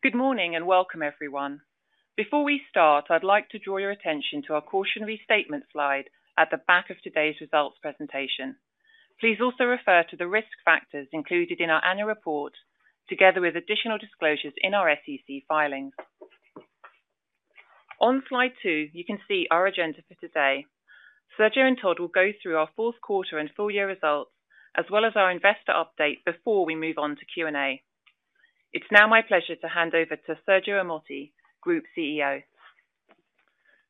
Good morning and welcome, everyone. Before we start, I'd like to draw your attention to our cautionary statement slide at the back of today's results presentation. Please also refer to the risk factors included in our annual report, together with additional disclosures in our SEC filings. On slide two, you can see our agenda for today. Sergio and Todd will go through our fourth quarter and full year results, as well as our investor update before we move on to Q&A. It's now my pleasure to hand over to Sergio Ermotti, Group CEO.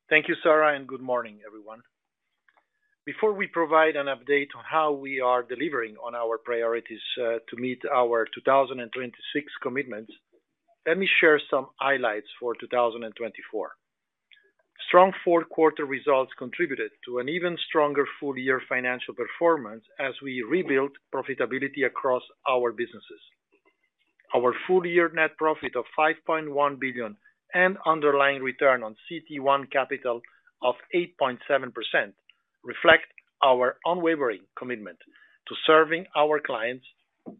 Thank you, Sarah, and good morning, everyone. Before we provide an update on how we are delivering on our priorities to meet our 2026 commitments, let me share some highlights for 2024. Strong fourth quarter results contributed to an even stronger full year financial performance as we rebuilt profitability across our businesses. Our full year net profit of $5.1 billion and underlying return on CET1 capital of 8.7% reflect our unwavering commitment to serving our clients,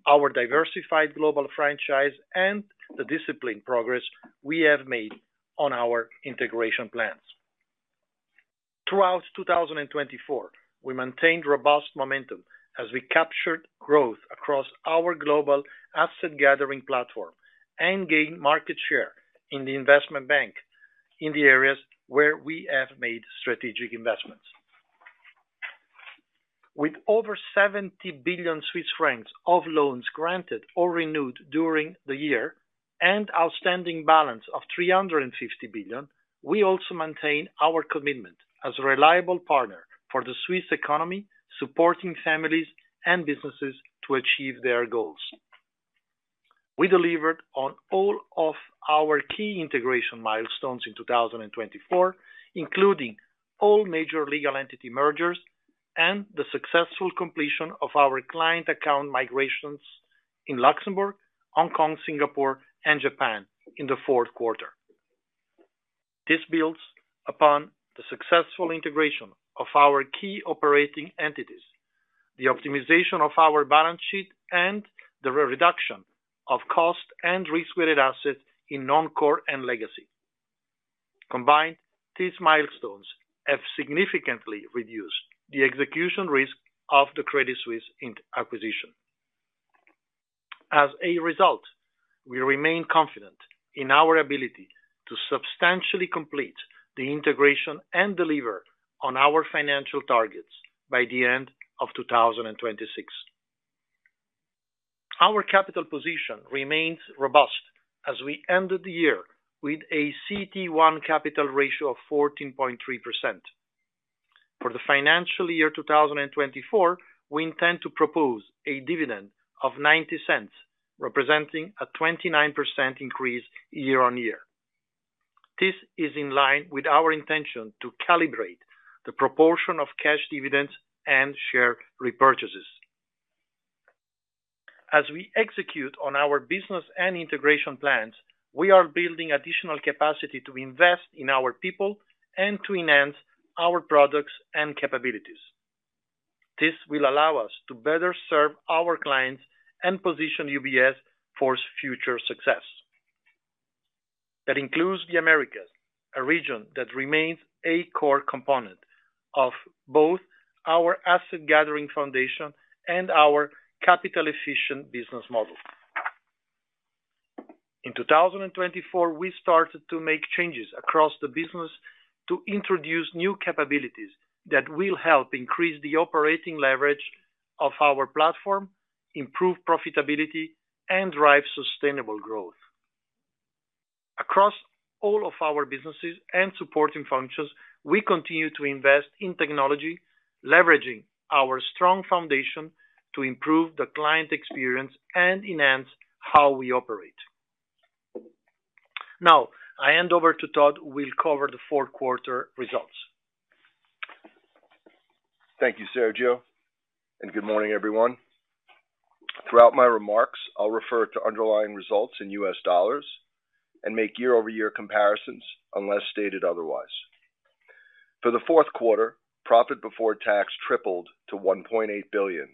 our diversified global franchise, and the disciplined progress we have made on our integration plans. Throughout 2024, we maintained robust momentum as we captured growth across our global asset gathering platform and gained market share in the Investment Bank in the areas where we have made strategic investments. With over 70 billion Swiss francs of loans granted or renewed during the year and an outstanding balance of 350 billion, we also maintain our commitment as a reliable partner for the Swiss economy, supporting families and businesses to achieve their goals. We delivered on all of our key integration milestones in 2024, including all major legal entity mergers and the successful completion of our client account migrations in Luxembourg, Hong Kong, Singapore, and Japan in the fourth quarter. This builds upon the successful integration of our key operating entities, the optimization of our balance sheet, and the reduction of cost and risk-weighted assets in Non-Core and Legacy. Combined, these milestones have significantly reduced the execution risk of the Credit Suisse acquisition. As a result, we remain confident in our ability to substantially complete the integration and deliver on our financial targets by the end of 2026. Our capital position remains robust as we ended the year with a CET1 capital ratio of 14.3%. For the financial year 2024, we intend to propose a dividend of $0.90, representing a 29% increase year on year. This is in line with our intention to calibrate the proportion of cash dividends and share repurchases. As we execute on our business and integration plans, we are building additional capacity to invest in our people and to enhance our products and capabilities. This will allow us to better serve our clients and position UBS for future success. That includes the Americas, a region that remains a core component of both our asset gathering foundation and our capital-efficient business model. In 2024, we started to make changes across the business to introduce new capabilities that will help increase the operating leverage of our platform, improve profitability, and drive sustainable growth. Across all of our businesses and supporting functions, we continue to invest in technology, leveraging our strong foundation to improve the client experience and enhance how we operate. Now, I hand over to Todd, who will cover the fourth quarter results. Thank you, Sergio, and good morning, everyone. Throughout my remarks, I'll refer to underlying results in U.S. dollars and make year-over-year comparisons unless stated otherwise. For the fourth quarter, profit before tax tripled to $1.8 billion.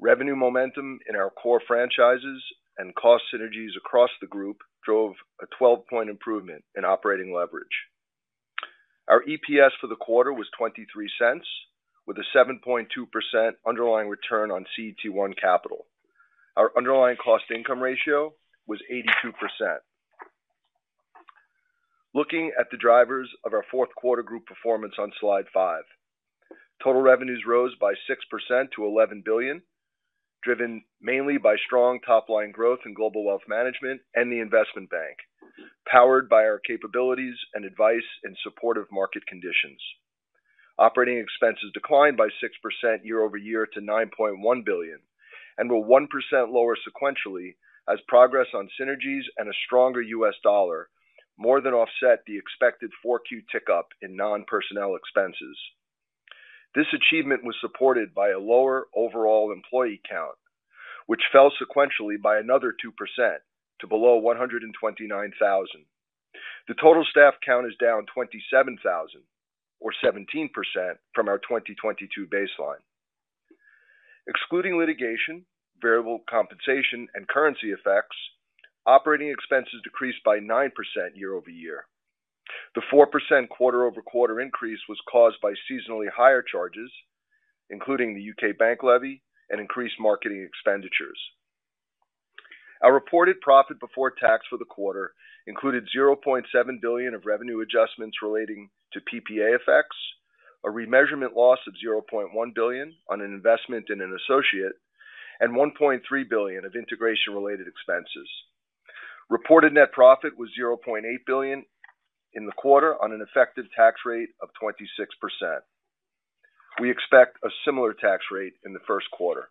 Revenue momentum in our core franchises and cost synergies across the group drove a 12-point improvement in operating leverage. Our EPS for the quarter was $0.23, with a 7.2% underlying return on CET1 capital. Our underlying cost-to-income ratio was 82%. Looking at the drivers of our fourth quarter group performance on slide five, total revenues rose by 6% to $11 billion, driven mainly by strong top-line growth in Global Wealth Management and the Investment Bank, powered by our capabilities and advice in supportive market conditions. Operating expenses declined by 6% year over year to $9.1 billion and were 1% lower sequentially as progress on synergies and a stronger US dollar more than offset the expected 4Q tick up in non-personnel expenses. This achievement was supported by a lower overall employee count, which fell sequentially by another 2% to below 129,000. The total staff count is down 27,000, or 17% from our 2022 baseline. Excluding litigation, variable compensation, and currency effects, operating expenses decreased by 9% year over year. The 4% quarter-over-quarter increase was caused by seasonally higher charges, including the UK bank levy and increased marketing expenditures. Our reported profit before tax for the quarter included $0.7 billion of revenue adjustments relating to PPA effects, a remeasurement loss of $0.1 billion on an investment in an associate, and $1.3 billion of integration-related expenses. Reported net profit was $0.8 billion in the quarter on an effective tax rate of 26%. We expect a similar tax rate in the first quarter.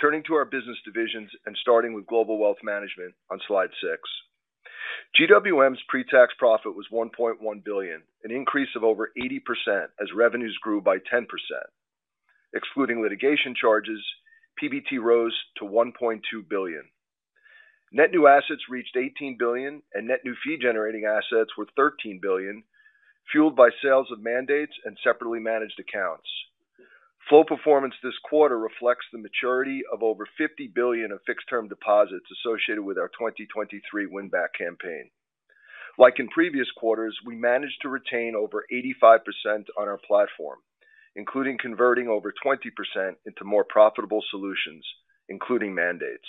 Turning to our business divisions and starting with Global Wealth Management on slide six, GWM's pre-tax profit was $1.1 billion, an increase of over 80% as revenues grew by 10%. Excluding litigation charges, PBT rose to $1.2 billion. Net new assets reached $18 billion, and net new fee-generating assets were $13 billion, fueled by sales of mandates and separately managed accounts. Flow performance this quarter reflects the maturity of over $50 billion of fixed-term deposits associated with our 2023 win-back campaign. Like in previous quarters, we managed to retain over 85% on our platform, including converting over 20% into more profitable solutions, including mandates.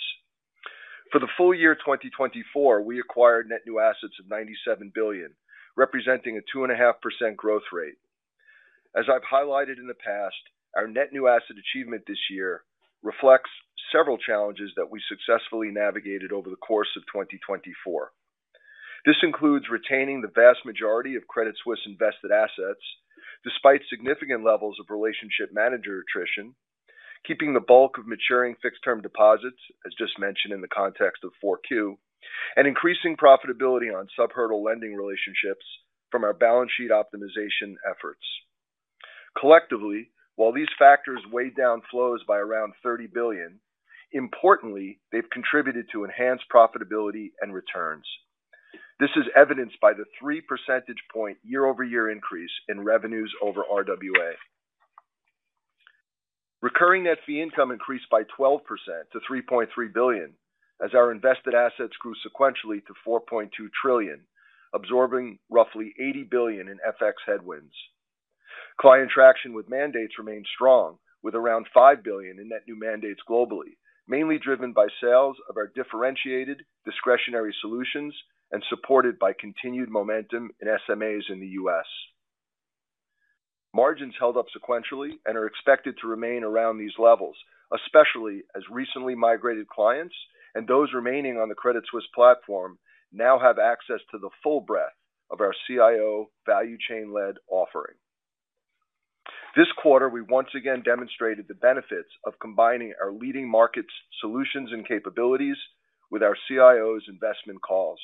For the full year 2024, we acquired net new assets of $97 billion, representing a 2.5% growth rate. As I've highlighted in the past, our net new asset achievement this year reflects several challenges that we successfully navigated over the course of 2024. This includes retaining the vast majority of Credit Suisse invested assets, despite significant levels of relationship manager attrition, keeping the bulk of maturing fixed-term deposits, as just mentioned in the context of 4Q, and increasing profitability on sub-hurdle lending relationships from our balance sheet optimization efforts. Collectively, while these factors weighed down flows by around $30 billion, importantly, they've contributed to enhanced profitability and returns. This is evidenced by the 3 percentage point year-over-year increase in revenues over RWA. Recurring net fee income increased by 12% to $3.3 billion as our invested assets grew sequentially to $4.2 trillion, absorbing roughly $80 billion in FX headwinds. Client traction with mandates remained strong, with around $5 billion in net new mandates globally, mainly driven by sales of our differentiated discretionary solutions and supported by continued momentum in SMAs in the U.S. Margins held up sequentially and are expected to remain around these levels, especially as recently migrated clients and those remaining on the Credit Suisse platform now have access to the full breadth of our CIO value chain-led offering. This quarter, we once again demonstrated the benefits of combining our leading markets' solutions and capabilities with our CIOs' investment calls.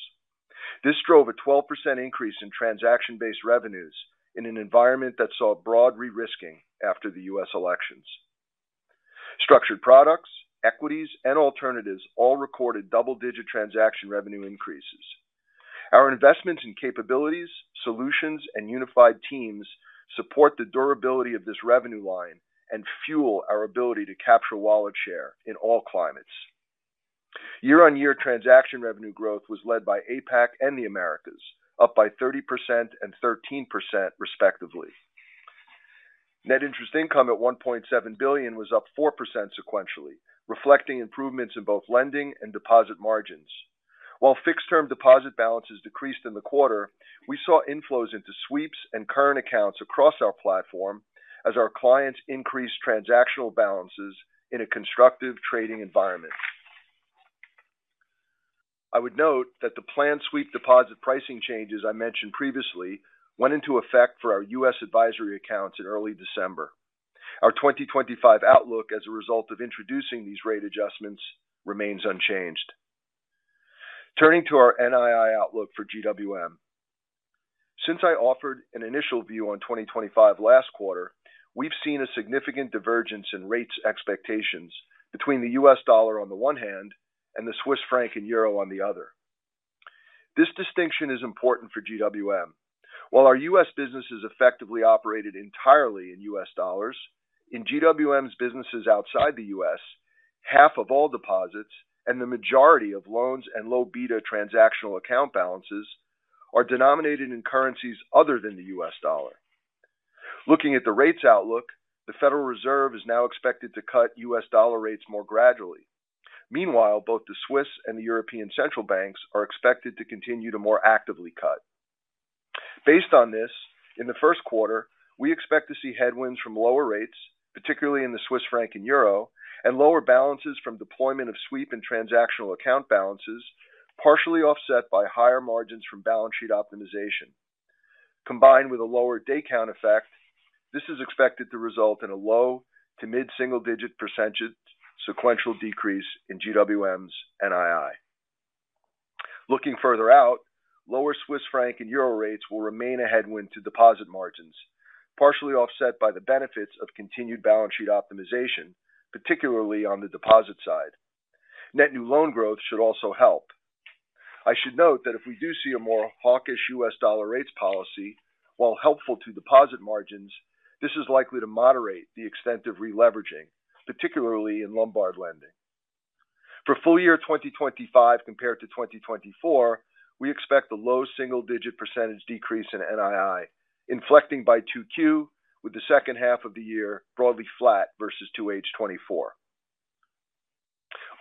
This drove a 12% increase in transaction-based revenues in an environment that saw broad re-risking after the U.S. elections. Structured products, equities, and alternatives all recorded double-digit transaction revenue increases. Our investments in capabilities, solutions, and unified teams support the durability of this revenue line and fuel our ability to capture wallet share in all climates. Year-on-year transaction revenue growth was led by APAC and the Americas, up by 30% and 13%, respectively. Net interest income at $1.7 billion was up 4% sequentially, reflecting improvements in both lending and deposit margins. While fixed-term deposit balances decreased in the quarter, we saw inflows into sweeps and current accounts across our platform as our clients increased transactional balances in a constructive trading environment. I would note that the planned sweep deposit pricing changes I mentioned previously went into effect for our U.S. advisory accounts in early December. Our 2025 outlook as a result of introducing these rate adjustments remains unchanged. Turning to our NII outlook for GWM. Since I offered an initial view on 2025 last quarter, we've seen a significant divergence in rates expectations between the U.S. dollar on the one hand and the Swiss franc and euro on the other. This distinction is important for GWM. While our U.S. businesses effectively operated entirely in U.S. dollars, in GWM's businesses outside the U.S., half of all deposits and the majority of loans and low beta transactional account balances are denominated in currencies other than the U.S. dollar. Looking at the rates outlook, the Federal Reserve is now expected to cut U.S. dollar rates more gradually. Meanwhile, both the Swiss and the European Central Bank are expected to continue to more actively cut. Based on this, in the first quarter, we expect to see headwinds from lower rates, particularly in the Swiss franc and euro, and lower balances from deployment of sweep and transactional account balances, partially offset by higher margins from balance sheet optimization. Combined with a lower daycount effect, this is expected to result in a low- to mid-single-digit % sequential decrease in GWM's NII. Looking further out, lower Swiss franc and euro rates will remain a headwind to deposit margins, partially offset by the benefits of continued balance sheet optimization, particularly on the deposit side. Net new loan growth should also help. I should note that if we do see a more hawkish US dollar rates policy, while helpful to deposit margins, this is likely to moderate the extent of re-leveraging, particularly in leveraged lending. For full year 2025 compared to 2024, we expect a low single-digit % decrease in NII, inflecting by 2Q, with the second half of the year broadly flat versus 2H24.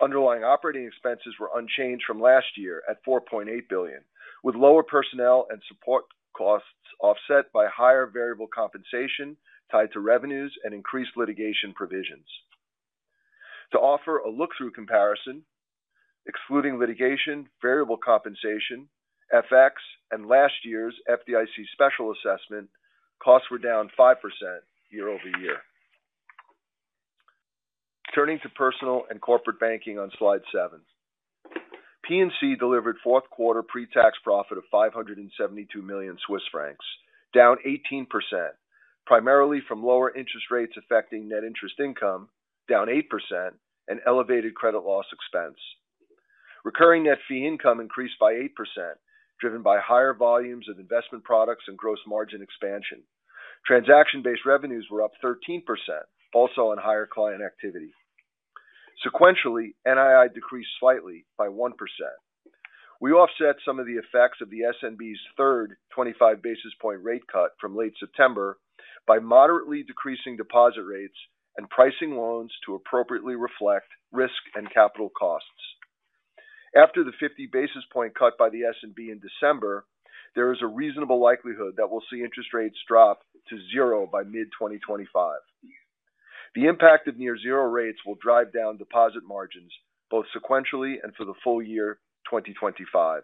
Underlying operating expenses were unchanged from last year at $4.8 billion, with lower personnel and support costs offset by higher variable compensation tied to revenues and increased litigation provisions. To offer a look-through comparison, excluding litigation, variable compensation, FX, and last year's FDIC special assessment, costs were down 5% year over year. Turning to Personal and Corporate Banking on slide seven, P&C delivered fourth quarter pre-tax profit of 572 million Swiss francs, down 18%, primarily from lower interest rates affecting net interest income, down 8%, and elevated credit loss expense. Recurring net fee income increased by 8%, driven by higher volumes of investment products and gross margin expansion. Transaction-based revenues were up 13%, also on higher client activity. Sequentially, NII decreased slightly by 1%. We offset some of the effects of the SNB's third 25 basis point rate cut from late September by moderately decreasing deposit rates and pricing loans to appropriately reflect risk and capital costs. After the 50 basis points cut by the SNB in December, there is a reasonable likelihood that we'll see interest rates drop to zero by mid-2025. The impact of near-zero rates will drive down deposit margins both sequentially and for the full year 2025.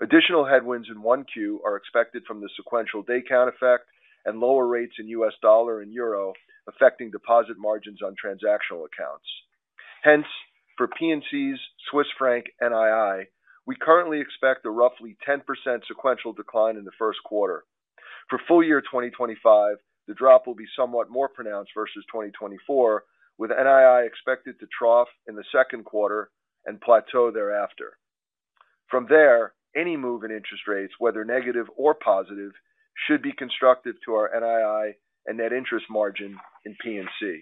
Additional headwinds in 1Q are expected from the sequential daycount effect and lower rates in U.S. dollar and euro affecting deposit margins on transactional accounts. Hence, for P&C's Swiss franc NII, we currently expect a roughly 10% sequential decline in the first quarter. For full year 2025, the drop will be somewhat more pronounced versus 2024, with NII expected to trough in the second quarter and plateau thereafter. From there, any move in interest rates, whether negative or positive, should be constructive to our NII and net interest margin in P&C.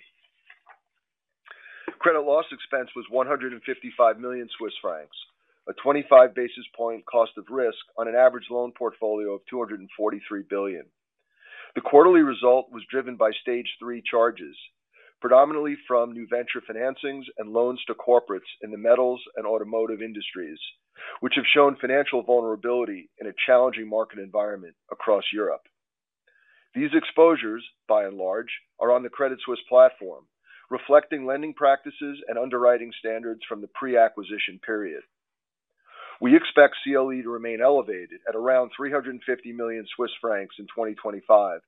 Credit loss expense was 155 million Swiss francs, a 25 basis point cost of risk on an average loan portfolio of 243 billion. The quarterly result was driven by Stage Three charges, predominantly from new venture financings and loans to corporates in the metals and automotive industries, which have shown financial vulnerability in a challenging market environment across Europe. These exposures, by and large, are on the Credit Suisse platform, reflecting lending practices and underwriting standards from the pre-acquisition period. We expect CLE to remain elevated at around 350 million Swiss francs in 2025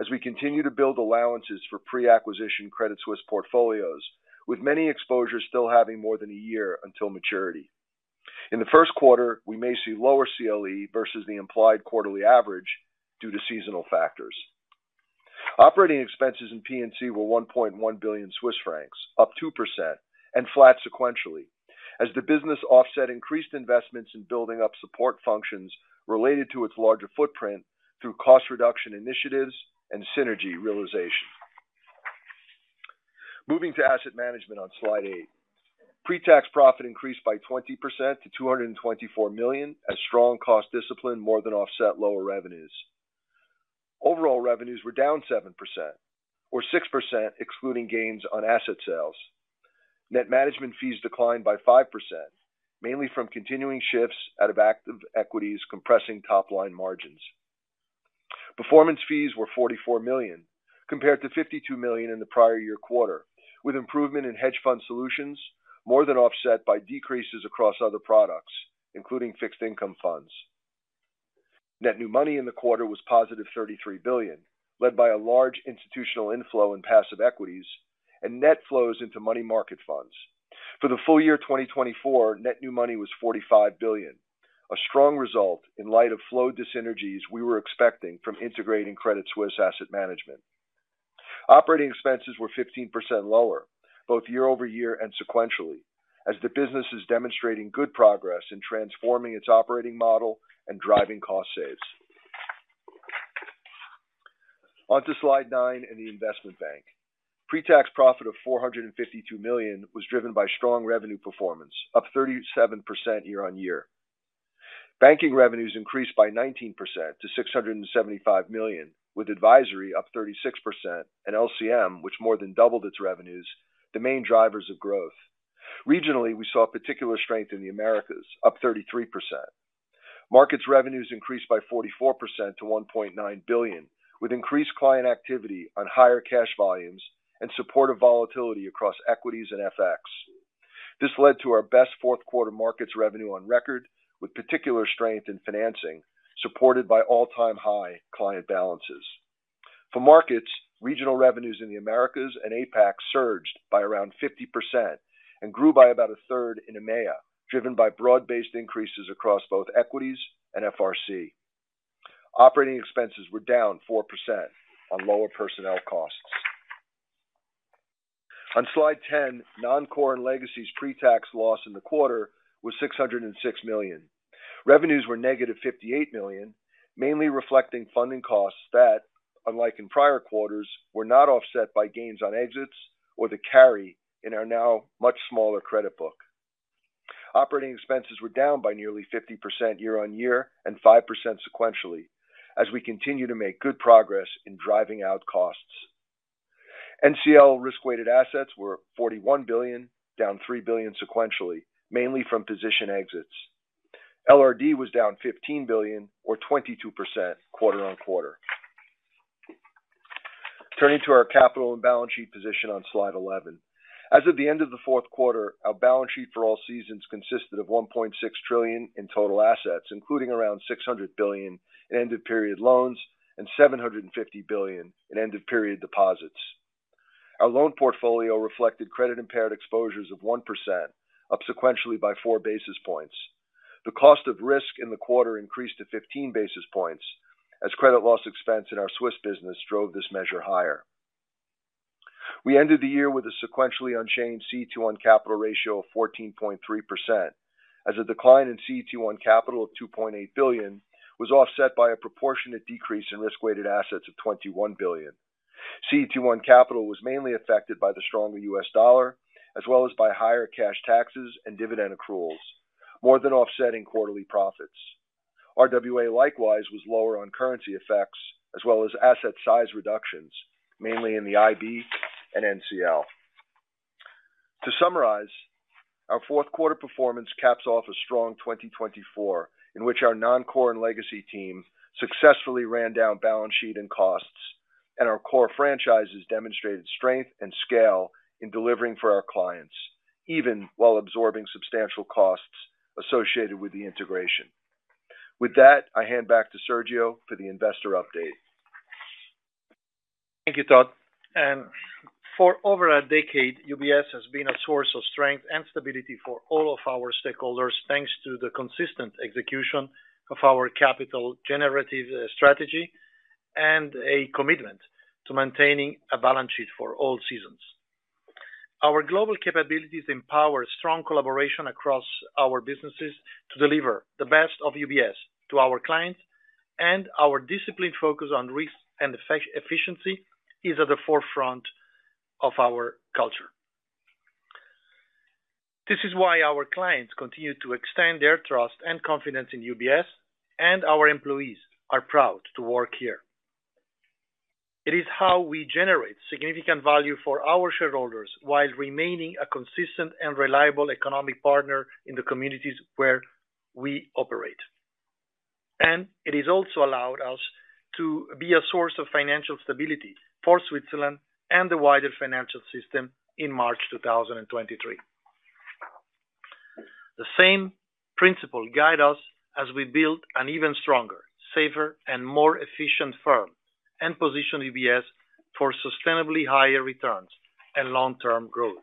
as we continue to build allowances for pre-acquisition Credit Suisse portfolios, with many exposures still having more than a year until maturity. In the first quarter, we may see lower CLE versus the implied quarterly average due to seasonal factors. Operating expenses in P&C were 1.1 billion Swiss francs, up 2%, and flat sequentially, as the business offset increased investments in building up support functions related to its larger footprint through cost reduction initiatives and synergy realization. Moving to Asset Management on slide eight, pre-tax profit increased by 20% to 224 million as strong cost discipline more than offset lower revenues. Overall revenues were down 7%, or 6%, excluding gains on asset sales. Net management fees declined by 5%, mainly from continuing shifts out of active equities compressing top-line margins. Performance fees were 44 million, compared to 52 million in the prior year quarter, with improvement in hedge fund solutions more than offset by decreases across other products, including fixed income funds. Net new money in the quarter was positive 33 billion, led by a large institutional inflow in passive equities and net flows into money market funds. For the full year 2024, net new money was $45 billion, a strong result in light of flow-through synergies we were expecting from integrating Credit Suisse Asset Management. Operating expenses were 15% lower, both year-over-year and sequentially, as the business is demonstrating good progress in transforming its operating model and driving cost savings. Onto slide nine in the Investment Bank. Pre-tax profit of $452 million was driven by strong revenue performance, up 37% year-on-year. Banking revenues increased by 19% to $675 million, with advisory up 36% and LCM, which more than doubled its revenues, the main drivers of growth. Regionally, we saw particular strength in the Americas, up 33%. Markets revenues increased by 44% to $1.9 billion, with increased client activity on higher cash volumes and supportive volatility across equities and FX. This led to our best fourth quarter markets revenue on record, with particular strength in financing, supported by all-time high client balances. For markets, regional revenues in the Americas and APAC surged by around 50% and grew by about a third in EMEA, driven by broad-based increases across both equities and FRC. Operating expenses were down 4% on lower personnel costs. On slide 10, non-core and legacy pre-tax loss in the quarter was $606 million. Revenues were -$58 million, mainly reflecting funding costs that, unlike in prior quarters, were not offset by gains on exits or the carry in our now much smaller credit book. Operating expenses were down by nearly 50% year-on-year and 5% sequentially, as we continue to make good progress in driving out costs. NCL risk-weighted assets were $41 billion, down $3 billion sequentially, mainly from position exits. LRD was down $15 billion, or 22%, quarter on quarter. Turning to our capital and balance sheet position on slide 11. As of the end of the fourth quarter, our balance sheet for all seasons consisted of $1.6 trillion in total assets, including around $600 billion in end-of-period loans and $750 billion in end-of-period deposits. Our loan portfolio reflected credit-impaired exposures of 1%, up sequentially by four basis points. The cost of risk in the quarter increased to 15 basis points, as credit loss expense in our Swiss business drove this measure higher. We ended the year with a sequentially unchanged CET1 capital ratio of 14.3%, as a decline in CET1 capital of $2.8 billion was offset by a proportionate decrease in risk-weighted assets of $21 billion. CET1 on capital was mainly affected by the stronger U.S. dollar, as well as by higher cash taxes and dividend accruals, more than offsetting quarterly profits. RWA likewise was lower on currency effects, as well as asset size reductions, mainly in the IB and NCL. To summarize, our fourth quarter performance caps off a strong 2024, in which our non-core and legacy team successfully ran down balance sheet and costs, and our core franchises demonstrated strength and scale in delivering for our clients, even while absorbing substantial costs associated with the integration. With that, I hand back to Sergio for the investor update. Thank you, Todd. For over a decade, UBS has been a source of strength and stability for all of our stakeholders, thanks to the consistent execution of our capital-generative strategy and a commitment to maintaining a balance sheet for all seasons. Our global capabilities empower strong collaboration across our businesses to deliver the best of UBS to our clients, and our disciplined focus on risk and efficiency is at the forefront of our culture. This is why our clients continue to extend their trust and confidence in UBS, and our employees are proud to work here. It is how we generate significant value for our shareholders while remaining a consistent and reliable economic partner in the communities where we operate. And it has also allowed us to be a source of financial stability for Switzerland and the wider financial system in March 2023. The same principle guides us as we build an even stronger, safer, and more efficient firm and position UBS for sustainably higher returns and long-term growth.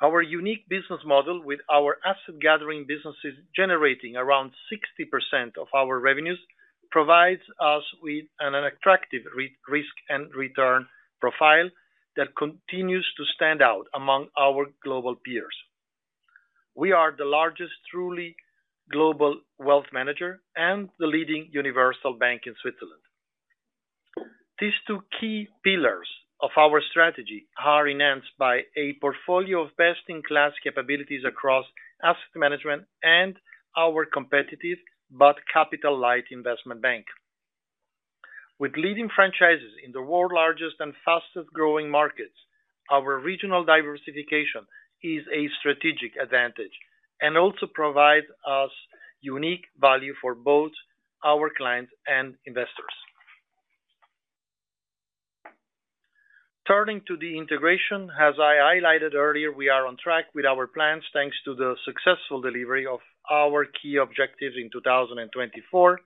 Our unique business model, with our asset-gathering businesses generating around 60% of our revenues, provides us with an attractive risk-and-return profile that continues to stand out among our global peers. We are the largest truly global wealth manager and the leading universal bank in Switzerland. These two key pillars of our strategy are enhanced by a portfolio of best-in-class capabilities across Asset Management and our competitive but capital-light investment bank. With leading franchises in the world's largest and fastest-growing markets, our regional diversification is a strategic advantage and also provides us unique value for both our clients and investors. Turning to the integration, as I highlighted earlier, we are on track with our plans, thanks to the successful delivery of our key objectives in 2024,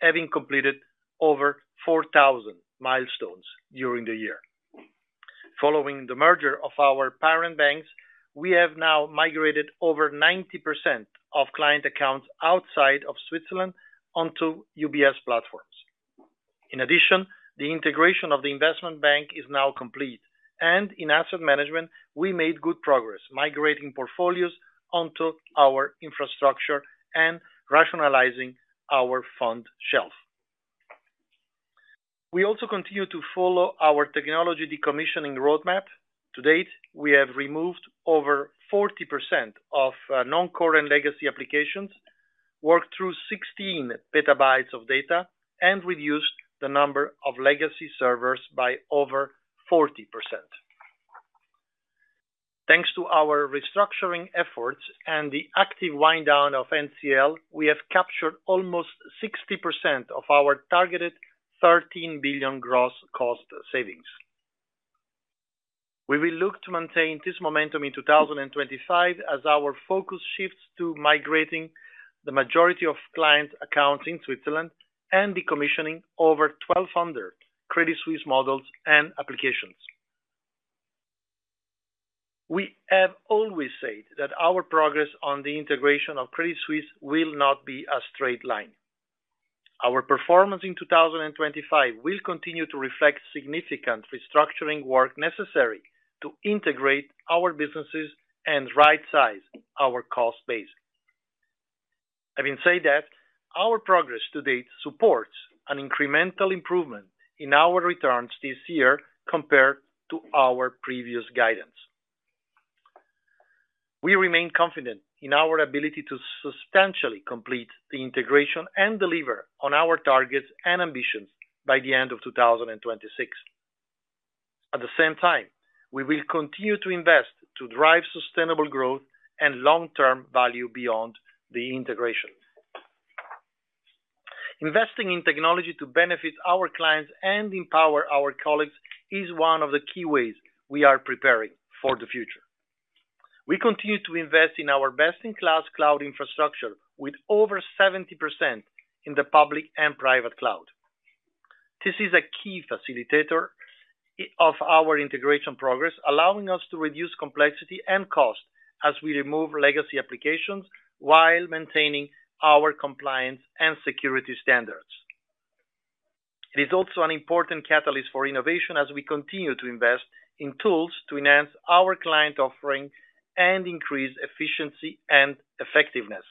having completed over 4,000 milestones during the year. Following the merger of our parent banks, we have now migrated over 90% of client accounts outside of Switzerland onto UBS platforms. In addition, the integration of the investment bank is now complete, and in Asset Management, we made good progress migrating portfolios onto our infrastructure and rationalizing our fund shelf. We also continue to follow our technology decommissioning roadmap. To date, we have removed over 40% of non-core and legacy applications, worked through 16 petabytes of data, and reduced the number of legacy servers by over 40%. Thanks to our restructuring efforts and the active wind-down of NCL, we have captured almost 60% of our targeted $13 billion gross cost savings. We will look to maintain this momentum in 2025 as our focus shifts to migrating the majority of client accounts in Switzerland and decommissioning over 1,200 Credit Suisse models and applications. We have always said that our progress on the integration of Credit Suisse will not be a straight line. Our performance in 2025 will continue to reflect significant restructuring work necessary to integrate our businesses and right-size our cost base. Having said that, our progress to date supports an incremental improvement in our returns this year compared to our previous guidance. We remain confident in our ability to substantially complete the integration and deliver on our targets and ambitions by the end of 2026. At the same time, we will continue to invest to drive sustainable growth and long-term value beyond the integration. Investing in technology to benefit our clients and empower our colleagues is one of the key ways we are preparing for the future. We continue to invest in our best-in-class cloud infrastructure, with over 70% in the public and private cloud. This is a key facilitator of our integration progress, allowing us to reduce complexity and cost as we remove legacy applications while maintaining our compliance and security standards. It is also an important catalyst for innovation as we continue to invest in tools to enhance our client offering and increase efficiency and effectiveness.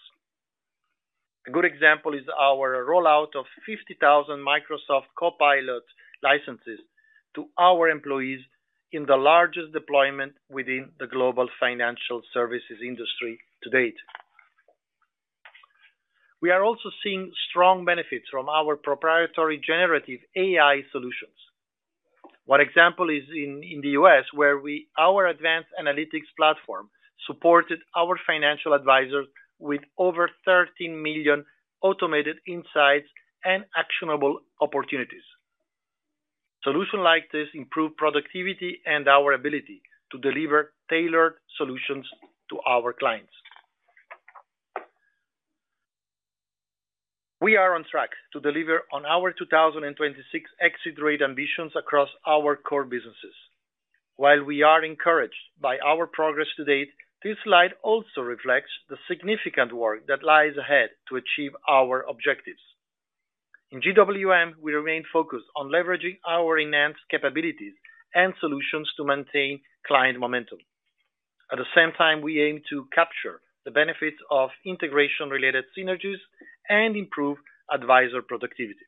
A good example is our rollout of 50,000 Microsoft Copilot licenses to our employees in the largest deployment within the global financial services industry to date. We are also seeing strong benefits from our proprietary generative AI solutions. One example is in the U.S., where our advanced analytics platform supported our financial advisors with over 13 million automated insights and actionable opportunities. Solutions like this improve productivity and our ability to deliver tailored solutions to our clients. We are on track to deliver on our 2026 exit rate ambitions across our core businesses. While we are encouraged by our progress to date, this slide also reflects the significant work that lies ahead to achieve our objectives. In GWM, we remain focused on leveraging our enhanced capabilities and solutions to maintain client momentum. At the same time, we aim to capture the benefits of integration-related synergies and improve advisor productivity.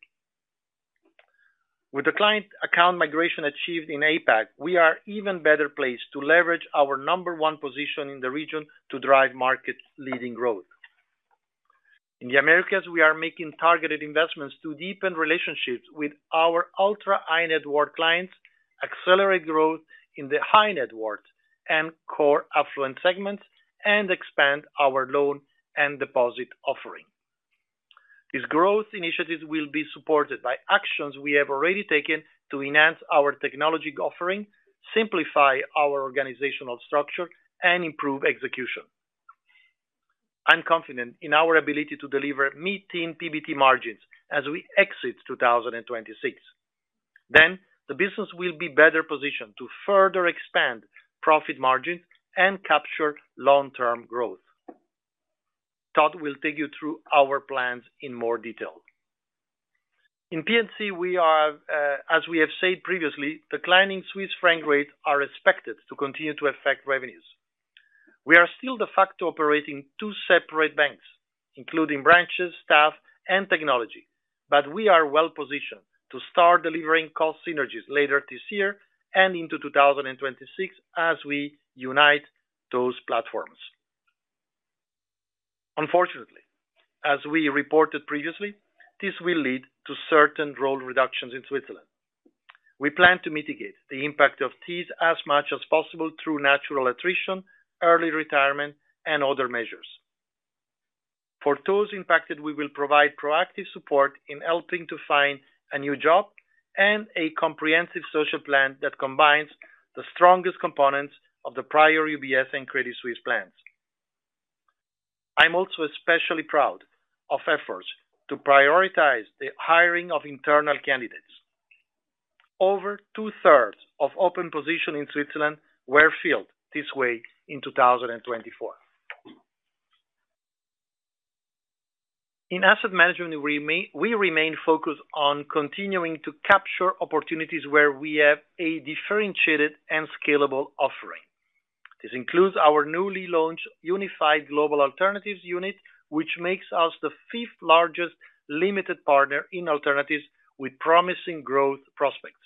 With the client account migration achieved in APAC, we are even better placed to leverage our number one position in the region to drive market-leading growth. In the Americas, we are making targeted investments to deepen relationships with our ultra-high-net-worth clients, accelerate growth in the high-net-worth and core affluent segments, and expand our loan and deposit offering. This growth initiative will be supported by actions we have already taken to enhance our technology offering, simplify our organizational structure, and improve execution. I'm confident in our ability to deliver meeting PBT margins as we exit 2026. Then, the business will be better positioned to further expand profit margins and capture long-term growth. Todd will take you through our plans in more detail. In P&C, we are, as we have said previously, the climbing Swiss franc rates are expected to continue to affect revenues. We are still de facto operating two separate banks, including branches, staff, and technology, but we are well-positioned to start delivering cost synergies later this year and into 2026 as we unite those platforms. Unfortunately, as we reported previously, this will lead to certain role reductions in Switzerland. We plan to mitigate the impact of these as much as possible through natural attrition, early retirement, and other measures. For those impacted, we will provide proactive support in helping to find a new job and a comprehensive social plan that combines the strongest components of the prior UBS and Credit Suisse plans. I'm also especially proud of efforts to prioritize the hiring of internal candidates. Over two-thirds of open positions in Switzerland were filled this way in 2024. In Asset Management, we remain focused on continuing to capture opportunities where we have a differentiated and scalable offering. This includes our newly launched Unified Global Alternatives Unit, which makes us the fifth-largest limited partner in alternatives with promising growth prospects.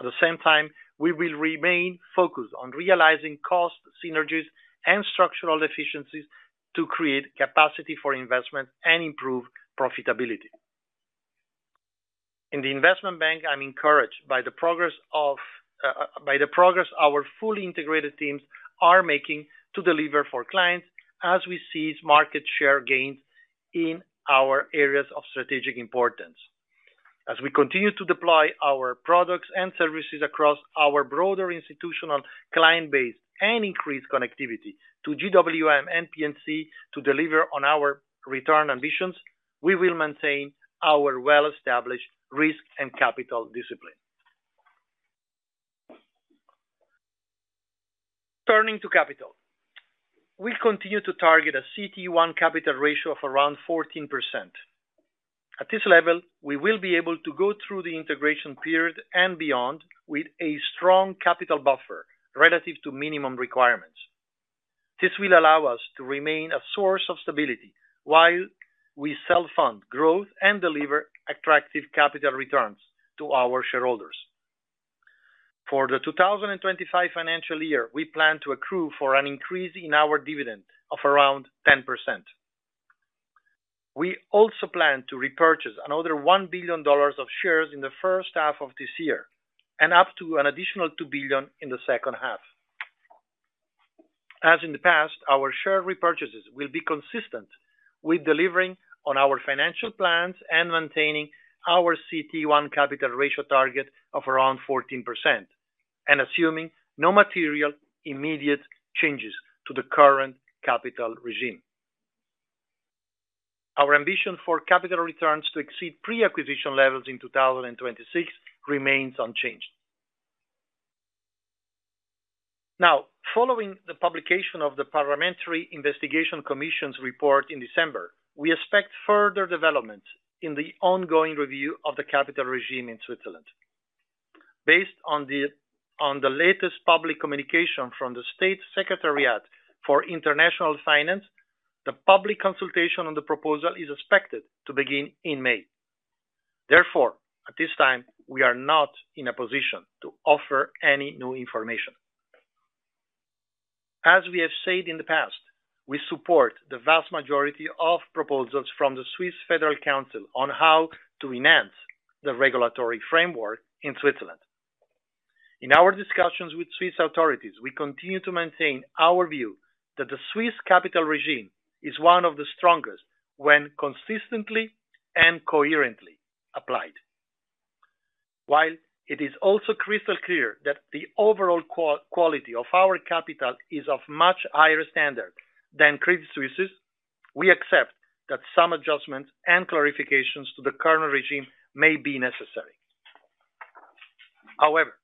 At the same time, we will remain focused on realizing cost synergies and structural efficiencies to create capacity for investment and improve profitability. In the Investment Bank, I'm encouraged by the progress of our fully integrated teams are making to deliver for clients as we see market share gains in our areas of strategic importance. As we continue to deploy our products and services across our broader institutional client base and increase connectivity to GWM and P&C to deliver on our return ambitions, we will maintain our well-established risk and capital discipline. Turning to capital, we continue to target a CET1 capital ratio of around 14%. At this level, we will be able to go through the integration period and beyond with a strong capital buffer relative to minimum requirements. This will allow us to remain a source of stability while we self-fund growth and deliver attractive capital returns to our shareholders. For the 2025 financial year, we plan to accrue for an increase in our dividend of around 10%. We also plan to repurchase another $1 billion of shares in the first half of this year and up to an additional $2 billion in the second half. As in the past, our share repurchases will be consistent with delivering on our financial plans and maintaining our CET1 capital ratio target of around 14% and assuming no material immediate changes to the current capital regime. Our ambition for capital returns to exceed pre-acquisition levels in 2026 remains unchanged. Now, following the publication of the Parliamentary Investigation Commission's report in December, we expect further developments in the ongoing review of the capital regime in Switzerland. Based on the latest public communication from the State Secretariat for International Finance, the public consultation on the proposal is expected to begin in May. Therefore, at this time, we are not in a position to offer any new information. As we have said in the past, we support the vast majority of proposals from the Swiss Federal Council on how to enhance the regulatory framework in Switzerland. In our discussions with Swiss authorities, we continue to maintain our view that the Swiss capital regime is one of the strongest when consistently and coherently applied. While it is also crystal clear that the overall quality of our capital is of much higher standard than Credit Suisse's, we accept that some adjustments and clarifications to the current regime may be necessary. However,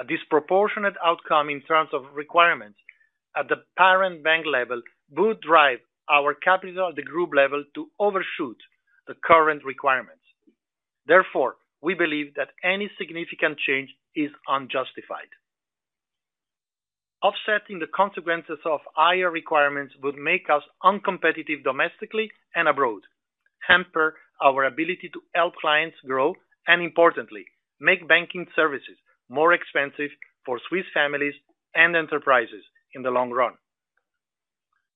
a disproportionate outcome in terms of requirements at the parent bank level would drive our capital at the group level to overshoot the current requirements. Therefore, we believe that any significant change is unjustified. Offsetting the consequences of higher requirements would make us uncompetitive domestically and abroad, hamper our ability to help clients grow, and importantly, make banking services more expensive for Swiss families and enterprises in the long run.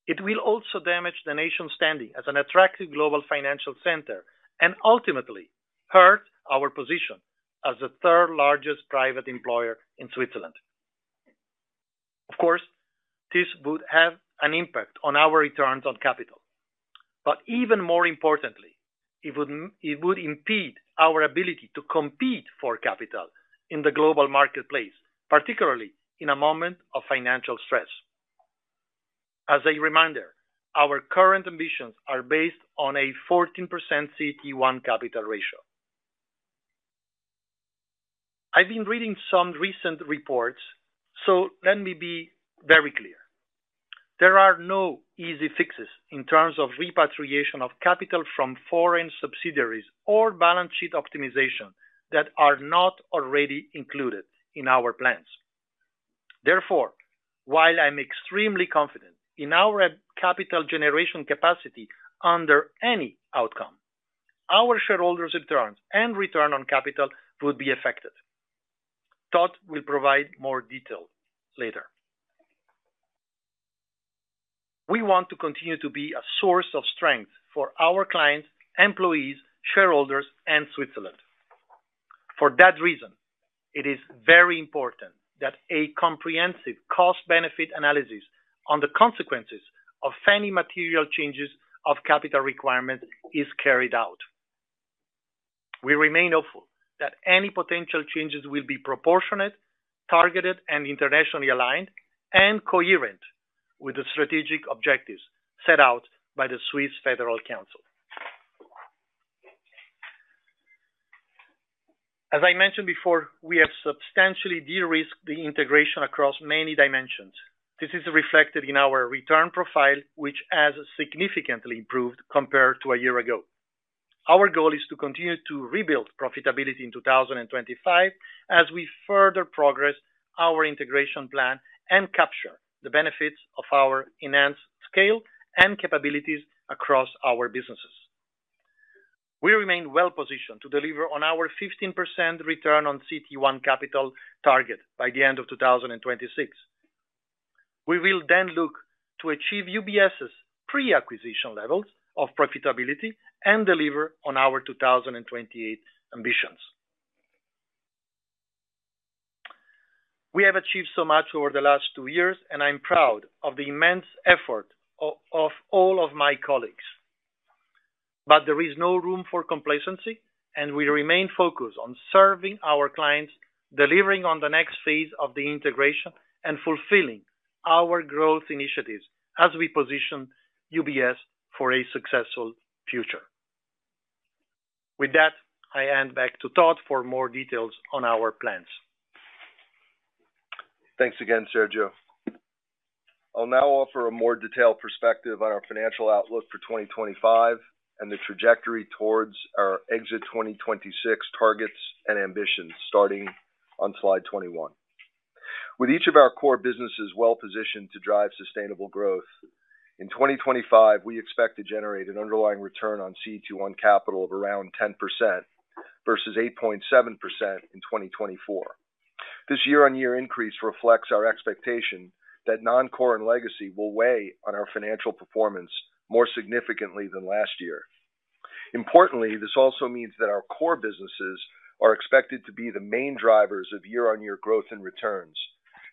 It will also damage the nation's standing as an attractive global financial center and ultimately hurt our position as the third-largest private employer in Switzerland. Of course, this would have an impact on our returns on capital, but even more importantly, it would impede our ability to compete for capital in the global marketplace, particularly in a moment of financial stress. As a reminder, our current ambitions are based on a 14% CET1 capital ratio. I've been reading some recent reports, so let me be very clear. There are no easy fixes in terms of repatriation of capital from foreign subsidiaries or balance sheet optimization that are not already included in our plans. Therefore, while I'm extremely confident in our capital generation capacity under any outcome, our shareholders' returns and return on capital would be affected. Todd will provide more detail later. We want to continue to be a source of strength for our clients, employees, shareholders, and Switzerland. For that reason, it is very important that a comprehensive cost-benefit analysis on the consequences of any material changes of capital requirements is carried out. We remain hopeful that any potential changes will be proportionate, targeted, and internationally aligned and coherent with the strategic objectives set out by the Swiss Federal Council. As I mentioned before, we have substantially de-risked the integration across many dimensions. This is reflected in our return profile, which has significantly improved compared to a year ago. Our goal is to continue to rebuild profitability in 2025 as we further progress our integration plan and capture the benefits of our enhanced scale and capabilities across our businesses. We remain well-positioned to deliver on our 15% return on CET1 capital target by the end of 2026. We will then look to achieve UBS's pre-acquisition levels of profitability and deliver on our 2028 ambitions. We have achieved so much over the last two years, and I'm proud of the immense effort of all of my colleagues. But there is no room for complacency, and we remain focused on serving our clients, delivering on the next phase of the integration, and fulfilling our growth initiatives as we position UBS for a successful future. With that, I hand back to Todd for more details on our plans. Thanks again, Sergio. I'll now offer a more detailed perspective on our financial outlook for 2025 and the trajectory towards our exit 2026 targets and ambitions starting on slide 21. With each of our core businesses well-positioned to drive sustainable growth, in 2025, we expect to generate an underlying return on CET1 capital of around 10% versus 8.7% in 2024. This year-on-year increase reflects our expectation that non-core and legacy will weigh on our financial performance more significantly than last year. Importantly, this also means that our core businesses are expected to be the main drivers of year-on-year growth and returns,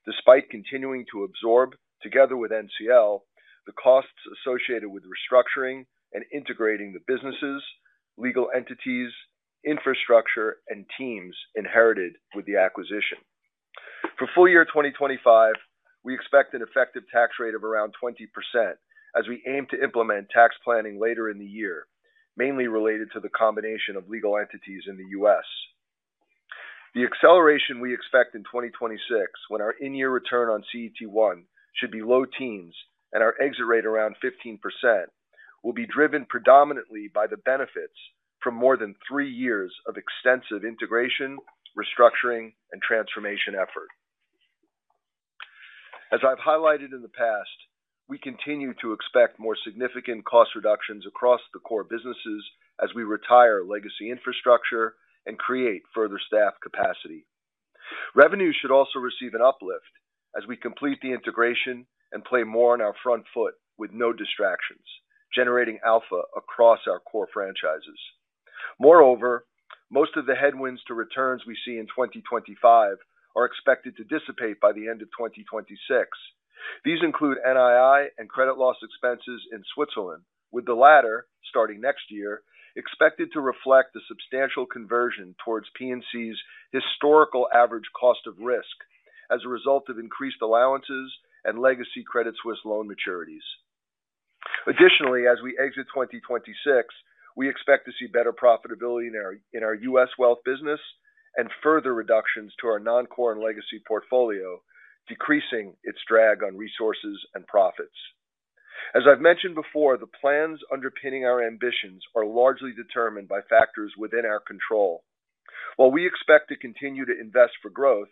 despite continuing to absorb, together with NCL, the costs associated with restructuring and integrating the businesses, legal entities, infrastructure, and teams inherited with the acquisition. For full year 2025, we expect an effective tax rate of around 20% as we aim to implement tax planning later in the year, mainly related to the combination of legal entities in the U.S. The acceleration we expect in 2026, when our in-year return on CET1 should be low teens and our exit rate around 15%, will be driven predominantly by the benefits from more than three years of extensive integration, restructuring, and transformation effort. As I've highlighted in the past, we continue to expect more significant cost reductions across the core businesses as we retire legacy infrastructure and create further staff capacity. Revenues should also receive an uplift as we complete the integration and play more on our front foot with no distractions, generating alpha across our core franchises. Moreover, most of the headwinds to returns we see in 2025 are expected to dissipate by the end of 2026. These include NII and credit loss expenses in Switzerland, with the latter, starting next year, expected to reflect a substantial conversion towards P&C's historical average cost of risk as a result of increased allowances and legacy Credit Suisse loan maturities. Additionally, as we exit 2026, we expect to see better profitability in our U.S. wealth business and further reductions to our non-core and legacy portfolio, decreasing its drag on resources and profits. As I've mentioned before, the plans underpinning our ambitions are largely determined by factors within our control. While we expect to continue to invest for growth,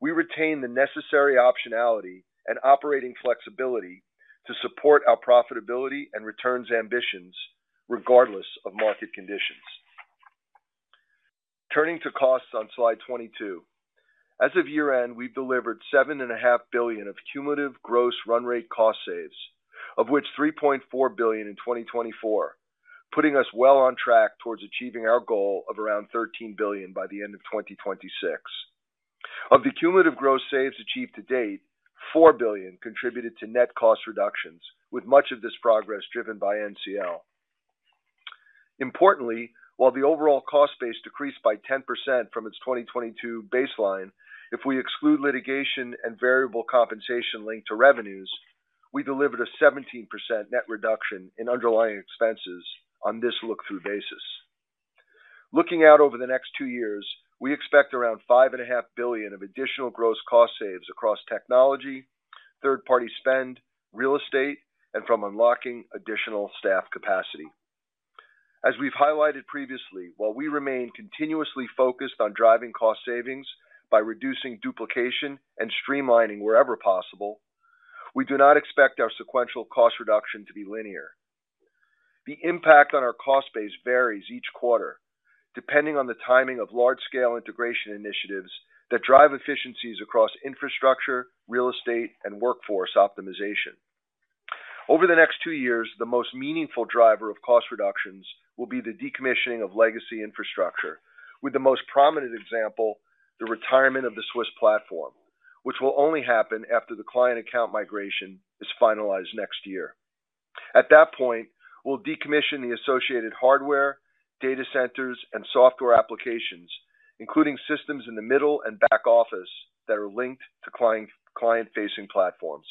we retain the necessary optionality and operating flexibility to support our profitability and returns ambitions regardless of market conditions. Turning to costs on slide 22, as of year-end, we've delivered 7.5 billion of cumulative gross run rate cost saves, of which 3.4 billion in 2024, putting us well on track towards achieving our goal of around 13 billion by the end of 2026. Of the cumulative gross saves achieved to date, 4 billion contributed to net cost reductions, with much of this progress driven by NCL. Importantly, while the overall cost base decreased by 10% from its 2022 baseline, if we exclude litigation and variable compensation linked to revenues, we delivered a 17% net reduction in underlying expenses on this look-through basis. Looking out over the next two years, we expect around 5.5 billion of additional gross cost saves across technology, third-party spend, real estate, and from unlocking additional staff capacity. As we've highlighted previously, while we remain continuously focused on driving cost savings by reducing duplication and streamlining wherever possible, we do not expect our sequential cost reduction to be linear. The impact on our cost base varies each quarter, depending on the timing of large-scale integration initiatives that drive efficiencies across infrastructure, real estate, and workforce optimization. Over the next two years, the most meaningful driver of cost reductions will be the decommissioning of legacy infrastructure, with the most prominent example the retirement of the Swiss platform, which will only happen after the client account migration is finalized next year. At that point, we'll decommission the associated hardware, data centers, and software applications, including systems in the middle and back office that are linked to client-facing platforms.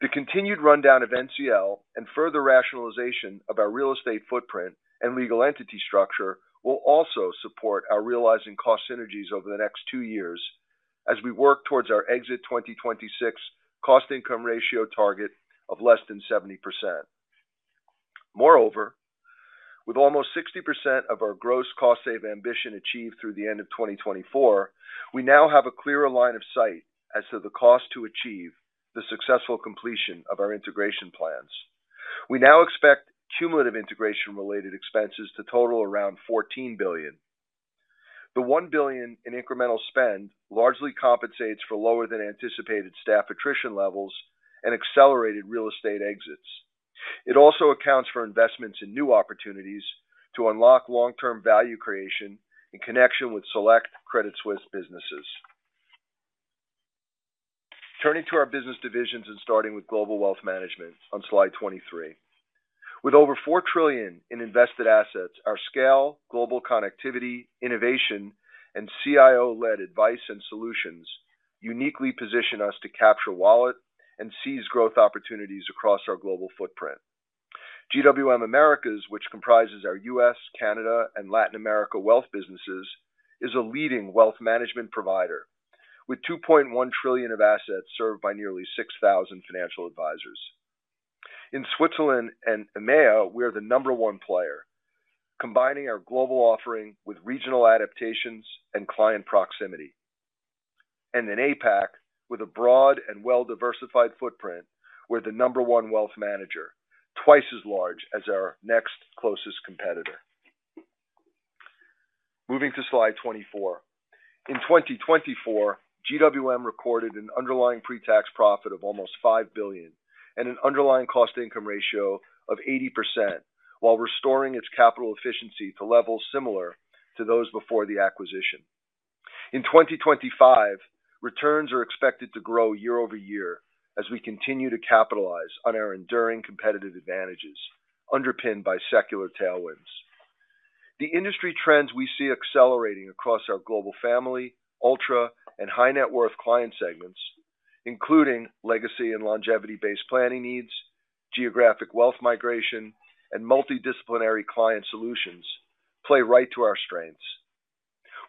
The continued rundown of NCL and further rationalization of our real estate footprint and legal entity structure will also support our realizing cost synergies over the next two years as we work towards our exit 2026 cost-income ratio target of less than 70%. Moreover, with almost 60% of our gross cost save ambition achieved through the end of 2024, we now have a clearer line of sight as to the cost to achieve the successful completion of our integration plans. We now expect cumulative integration-related expenses to total around 14 billion. The 1 billion in incremental spend largely compensates for lower-than-anticipated staff attrition levels and accelerated real estate exits. It also accounts for investments in new opportunities to unlock long-term value creation in connection with select Credit Suisse businesses. Turning to our business divisions and starting with Global Wealth Management on slide 23. With over four trillion in invested assets, our scale, global connectivity, innovation, and CIO-led advice and solutions uniquely position us to capture wallet and seize growth opportunities across our global footprint. GWM Americas, which comprises our US, Canada, and Latin America wealth businesses, is a leading wealth management provider with 2.1 trillion of assets served by nearly 6,000 financial advisors. In Switzerland and EMEA, we are the number one player, combining our global offering with regional adaptations and client proximity. And in APAC, with a broad and well-diversified footprint, we're the number one wealth manager, twice as large as our next closest competitor. Moving to slide 24. In 2024, GWM recorded an underlying pre-tax profit of almost five billion and an underlying cost-income ratio of 80% while restoring its capital efficiency to levels similar to those before the acquisition. In 2025, returns are expected to grow year-over-year as we continue to capitalize on our enduring competitive advantages underpinned by secular tailwinds. The industry trends we see accelerating across our global family, ultra, and high-net-worth client segments, including legacy and longevity-based planning needs, geographic wealth migration, and multidisciplinary client solutions, play right to our strengths.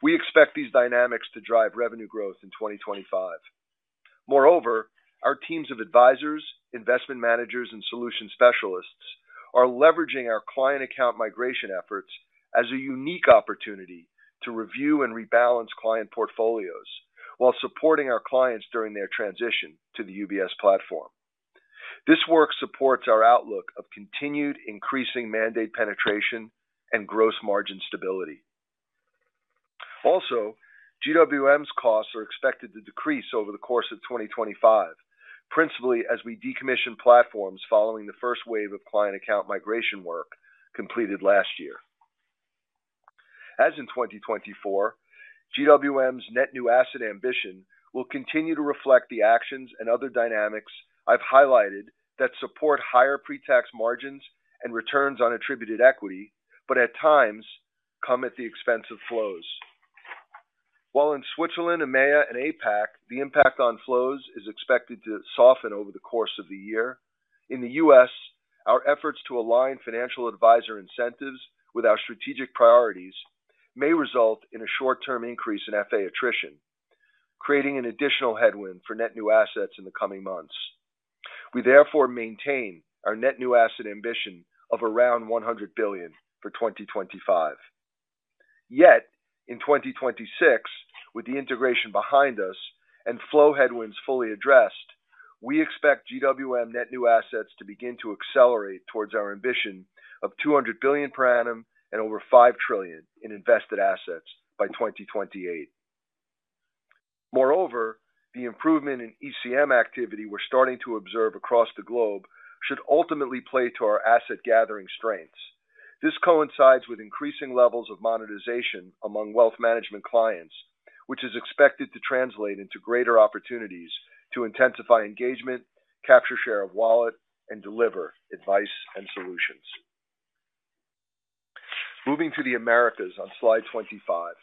We expect these dynamics to drive revenue growth in 2025. Moreover, our teams of advisors, investment managers, and solution specialists are leveraging our client account migration efforts as a unique opportunity to review and rebalance client portfolios while supporting our clients during their transition to the UBS platform. This work supports our outlook of continued increasing mandate penetration and gross margin stability. Also, GWM's costs are expected to decrease over the course of 2025, principally as we decommission platforms following the first wave of client account migration work completed last year. As in 2024, GWM's net new asset ambition will continue to reflect the actions and other dynamics I've highlighted that support higher pre-tax margins and returns on attributed equity, but at times come at the expense of flows. While in Switzerland, EMEA, and APAC, the impact on flows is expected to soften over the course of the year, in the US, our efforts to align financial advisor incentives with our strategic priorities may result in a short-term increase in FA attrition, creating an additional headwind for net new assets in the coming months. We therefore maintain our net new asset ambition of around 100 billion for 2025. Yet, in 2026, with the integration behind us and flow headwinds fully addressed, we expect GWM net new assets to begin to accelerate towards our ambition of 200 billion per annum and over 5 trillion in invested assets by 2028. Moreover, the improvement in ECM activity we're starting to observe across the globe should ultimately play to our asset gathering strengths. This coincides with increasing levels of monetization among wealth management clients, which is expected to translate into greater opportunities to intensify engagement, capture share of wallet, and deliver advice and solutions. Moving to the Americas on slide 25.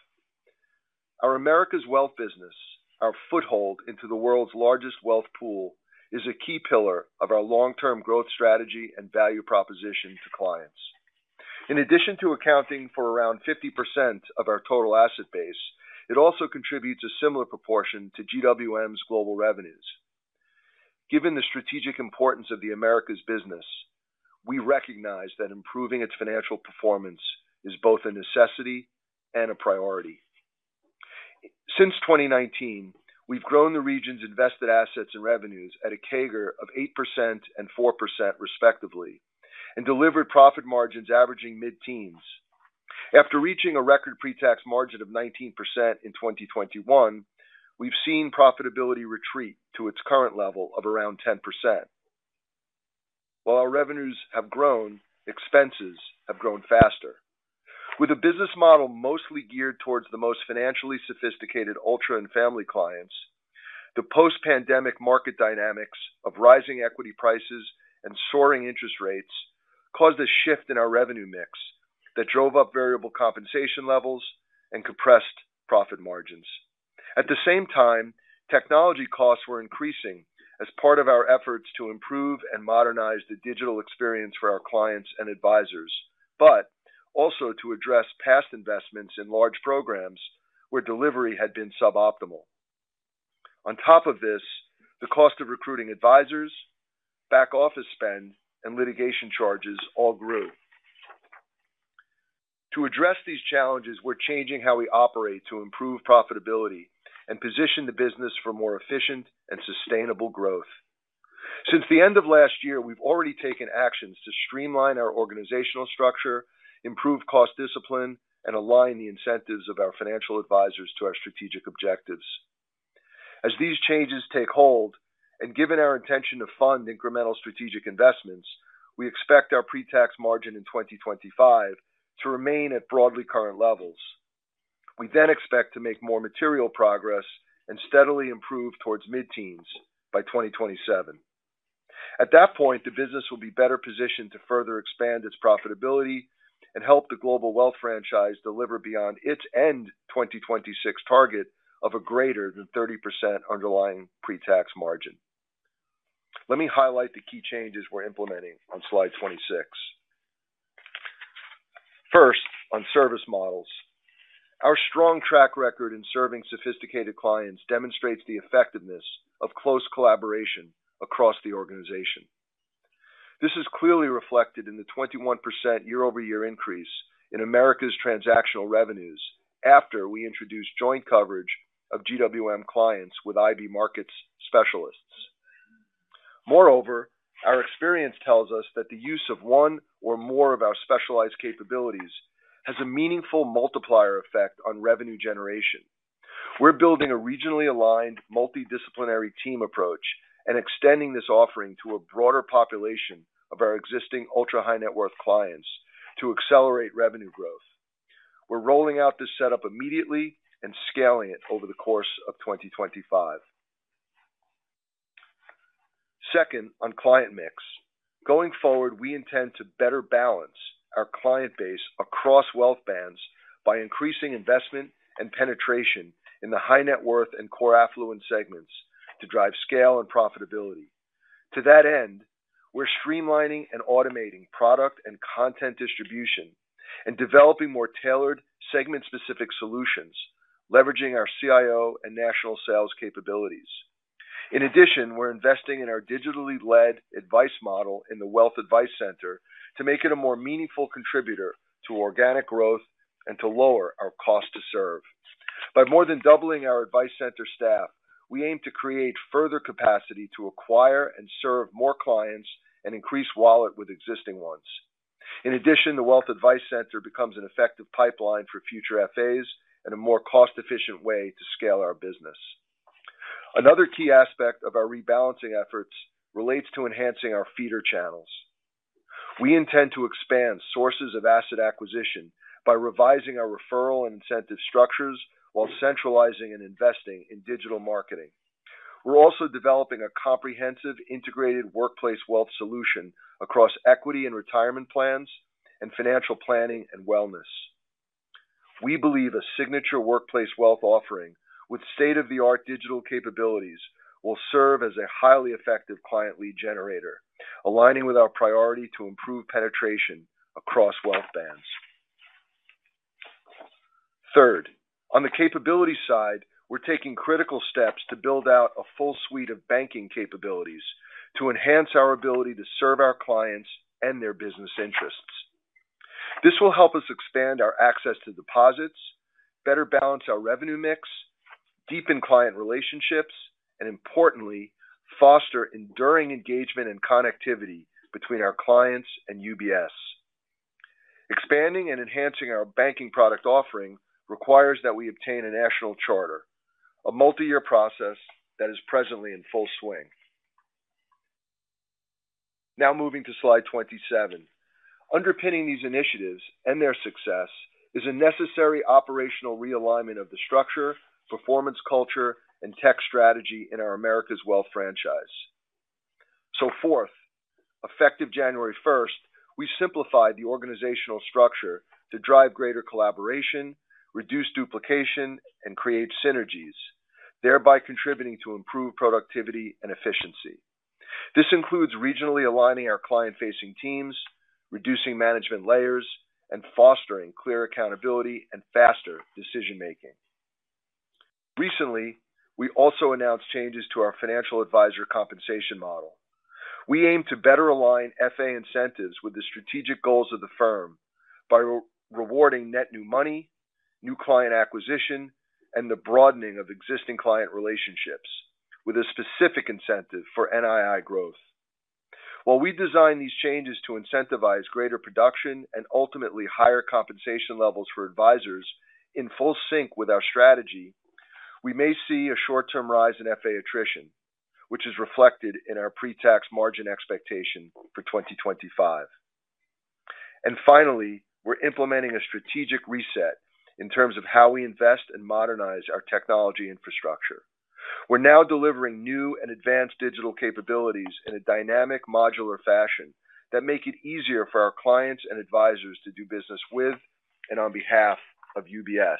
Our Americas wealth business, our foothold into the world's largest wealth pool, is a key pillar of our long-term growth strategy and value proposition to clients. In addition to accounting for around 50% of our total asset base, it also contributes a similar proportion to GWM's global revenues. Given the strategic importance of the Americas business, we recognize that improving its financial performance is both a necessity and a priority. Since 2019, we've grown the region's invested assets and revenues at a CAGR of 8% and 4% respectively and delivered profit margins averaging mid-teens. After reaching a record pre-tax margin of 19% in 2021, we've seen profitability retreat to its current level of around 10%. While our revenues have grown, expenses have grown faster. With a business model mostly geared towards the most financially sophisticated ultra and family clients, the post-pandemic market dynamics of rising equity prices and soaring interest rates caused a shift in our revenue mix that drove up variable compensation levels and compressed profit margins. At the same time, technology costs were increasing as part of our efforts to improve and modernize the digital experience for our clients and advisors, but also to address past investments in large programs where delivery had been suboptimal. On top of this, the cost of recruiting advisors, back office spend, and litigation charges all grew. To address these challenges, we're changing how we operate to improve profitability and position the business for more efficient and sustainable growth. Since the end of last year, we've already taken actions to streamline our organizational structure, improve cost discipline, and align the incentives of our financial advisors to our strategic objectives. As these changes take hold, and given our intention to fund incremental strategic investments, we expect our pre-tax margin in 2025 to remain at broadly current levels. We then expect to make more material progress and steadily improve towards mid-teens by 2027. At that point, the business will be better positioned to further expand its profitability and help the global wealth franchise deliver beyond its end 2026 target of a greater than 30% underlying pre-tax margin. Let me highlight the key changes we're implementing on slide 26. First, on service models. Our strong track record in serving sophisticated clients demonstrates the effectiveness of close collaboration across the organization. This is clearly reflected in the 21% year-over-year increase in Americas' transactional revenues after we introduced joint coverage of GWM clients with IB Markets specialists. Moreover, our experience tells us that the use of one or more of our specialized capabilities has a meaningful multiplier effect on revenue generation. We're building a regionally aligned multidisciplinary team approach and extending this offering to a broader population of our existing ultra-high-net-worth clients to accelerate revenue growth. We're rolling out this setup immediately and scaling it over the course of 2025. Second, on client mix. Going forward, we intend to better balance our client base across wealth bands by increasing investment and penetration in the high-net-worth and core affluent segments to drive scale and profitability. To that end, we're streamlining and automating product and content distribution and developing more tailored segment-specific solutions, leveraging our CIO and national sales capabilities. In addition, we're investing in our digitally led advice model in the Wealth Advice Center to make it a more meaningful contributor to organic growth and to lower our cost to serve. By more than doubling our advice center staff, we aim to create further capacity to acquire and serve more clients and increase wallet with existing ones. In addition, the Wealth Advice Center becomes an effective pipeline for future FAs and a more cost-efficient way to scale our business. Another key aspect of our rebalancing efforts relates to enhancing our feeder channels. We intend to expand sources of asset acquisition by revising our referral and incentive structures while centralizing and investing in digital marketing. We're also developing a comprehensive integrated workplace wealth solution across equity and retirement plans and financial planning and wellness. We believe a signature workplace wealth offering with state-of-the-art digital capabilities will serve as a highly effective client lead generator, aligning with our priority to improve penetration across wealth bands. Third, on the capability side, we're taking critical steps to build out a full suite of banking capabilities to enhance our ability to serve our clients and their business interests. This will help us expand our access to deposits, better balance our revenue mix, deepen client relationships, and importantly, foster enduring engagement and connectivity between our clients and UBS. Expanding and enhancing our banking product offering requires that we obtain a national charter, a multi-year process that is presently in full swing. Now moving to slide 27. Underpinning these initiatives and their success is a necessary operational realignment of the structure, performance culture, and tech strategy in our Americas wealth franchise. So fourth, effective January 1st, we simplify the organizational structure to drive greater collaboration, reduce duplication, and create synergies, thereby contributing to improved productivity and efficiency. This includes regionally aligning our client-facing teams, reducing management layers, and fostering clear accountability and faster decision-making. Recently, we also announced changes to our financial advisor compensation model. We aim to better align FA incentives with the strategic goals of the firm by rewarding net new money, new client acquisition, and the broadening of existing client relationships with a specific incentive for NII growth. While we design these changes to incentivize greater production and ultimately higher compensation levels for advisors in full sync with our strategy, we may see a short-term rise in FA attrition, which is reflected in our pre-tax margin expectation for 2025. And finally, we're implementing a strategic reset in terms of how we invest and modernize our technology infrastructure. We're now delivering new and advanced digital capabilities in a dynamic modular fashion that make it easier for our clients and advisors to do business with and on behalf of UBS.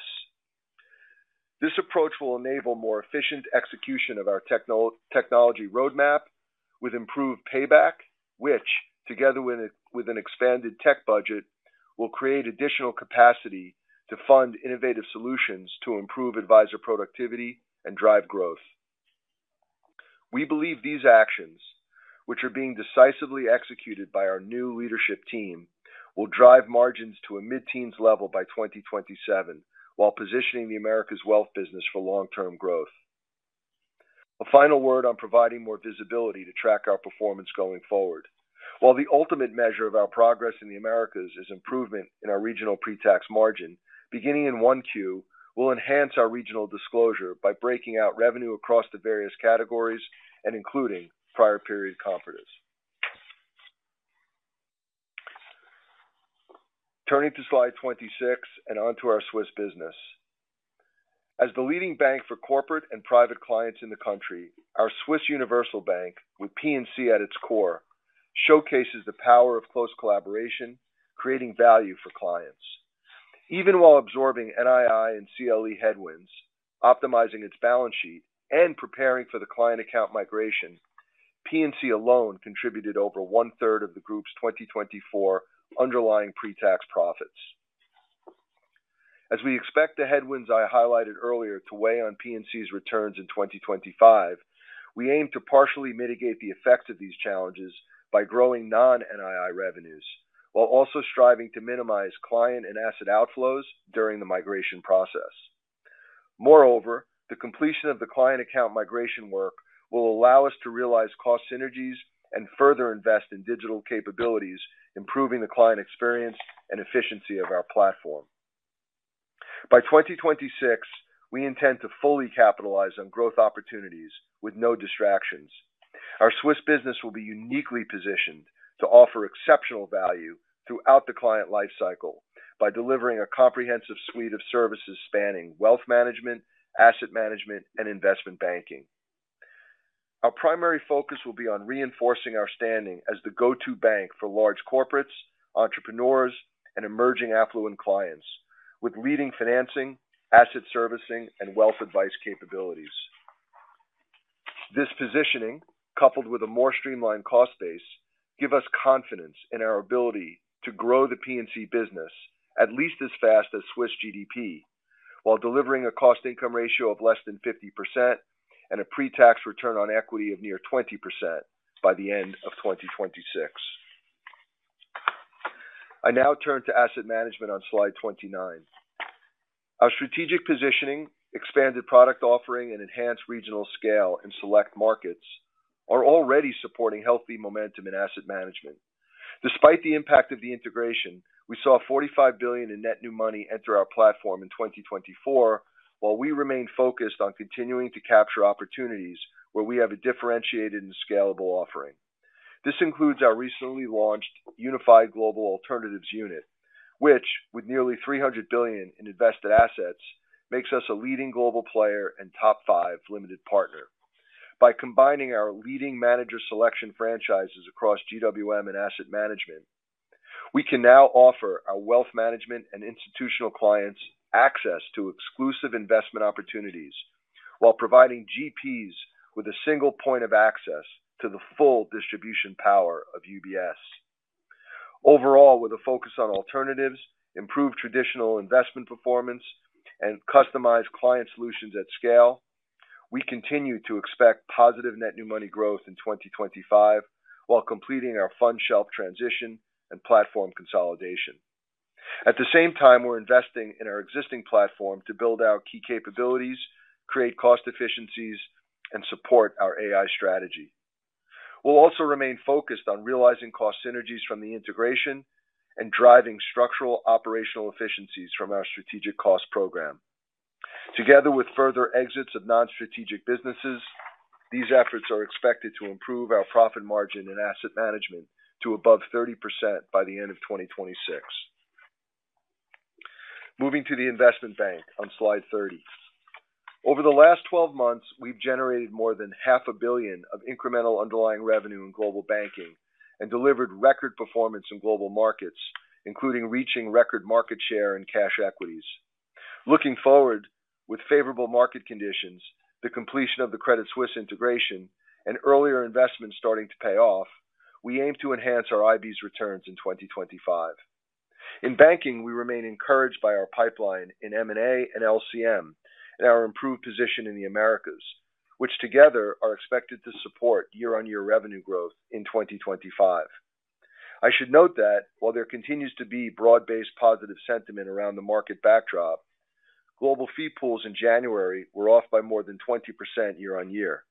This approach will enable more efficient execution of our technology roadmap with improved payback, which, together with an expanded tech budget, will create additional capacity to fund innovative solutions to improve advisor productivity and drive growth. We believe these actions, which are being decisively executed by our new leadership team, will drive margins to a mid-teens level by 2027 while positioning the Americas wealth business for long-term growth. A final word on providing more visibility to track our performance going forward. While the ultimate measure of our progress in the Americas is improvement in our regional pre-tax margin, beginning in 1Q, we'll enhance our regional disclosure by breaking out revenue across the various categories and including prior period comps. Turning to slide 26 and onto our Swiss business. As the leading bank for corporate and private clients in the country, our Swiss Universal Bank, with P&C at its core, showcases the power of close collaboration, creating value for clients. Even while absorbing NII and CLE headwinds, optimizing its balance sheet, and preparing for the client account migration, P&C alone contributed over one-third of the group's 2024 underlying pre-tax profits. As we expect the headwinds I highlighted earlier to weigh on P&C's returns in 2025, we aim to partially mitigate the effects of these challenges by growing non-NII revenues while also striving to minimize client and asset outflows during the migration process. Moreover, the completion of the client account migration work will allow us to realize cost synergies and further invest in digital capabilities, improving the client experience and efficiency of our platform. By 2026, we intend to fully capitalize on growth opportunities with no distractions. Our Swiss business will be uniquely positioned to offer exceptional value throughout the client lifecycle by delivering a comprehensive suite of services spanning wealth management, asset management, and investment banking. Our primary focus will be on reinforcing our standing as the go-to bank for large corporates, entrepreneurs, and emerging affluent clients, with leading financing, asset servicing, and wealth advice capabilities. This positioning, coupled with a more streamlined cost base, gives us confidence in our ability to grow the P&C business at least as fast as Swiss GDP while delivering a cost-income ratio of less than 50% and a pre-tax return on equity of near 20% by the end of 2026. I now turn to asset management on slide 29. Our strategic positioning, expanded product offering, and enhanced regional scale in select markets are already supporting healthy momentum in asset management. Despite the impact of the integration, we saw $45 billion in net new money enter our platform in 2024 while we remain focused on continuing to capture opportunities where we have a differentiated and scalable offering. This includes our recently launched Unified Global Alternatives Unit, which, with nearly $300 billion in invested assets, makes us a leading global player and top five limited partner. By combining our leading manager selection franchises across GWM and asset management, we can now offer our wealth management and institutional clients access to exclusive investment opportunities while providing GPs with a single point of access to the full distribution power of UBS. Overall, with a focus on alternatives, improved traditional investment performance, and customized client solutions at scale, we continue to expect positive net new money growth in 2025 while completing our fund shelf transition and platform consolidation. At the same time, we're investing in our existing platform to build out key capabilities, create cost efficiencies, and support our AI strategy. We'll also remain focused on realizing cost synergies from the integration and driving structural operational efficiencies from our strategic cost program. Together with further exits of non-strategic businesses, these efforts are expected to improve our cost-to-income ratio in Asset Management to above 30% by the end of 2026. Moving to the Investment Bank on slide 30. Over the last 12 months, we've generated more than $500 million of incremental underlying revenue in Global Banking and delivered record performance in Global Markets, including reaching record market share in Cash Equities. Looking forward, with favorable market conditions, the completion of the Credit Suisse integration, and earlier investments starting to pay off, we aim to enhance our IB's returns in 2025. In banking, we remain encouraged by our pipeline in M&A and LCM and our improved position in the Americas, which together are expected to support year-over-year revenue growth in 2025. I should note that while there continues to be broad-based positive sentiment around the market backdrop, global fee pools in January were off by more than 20% year-on-year.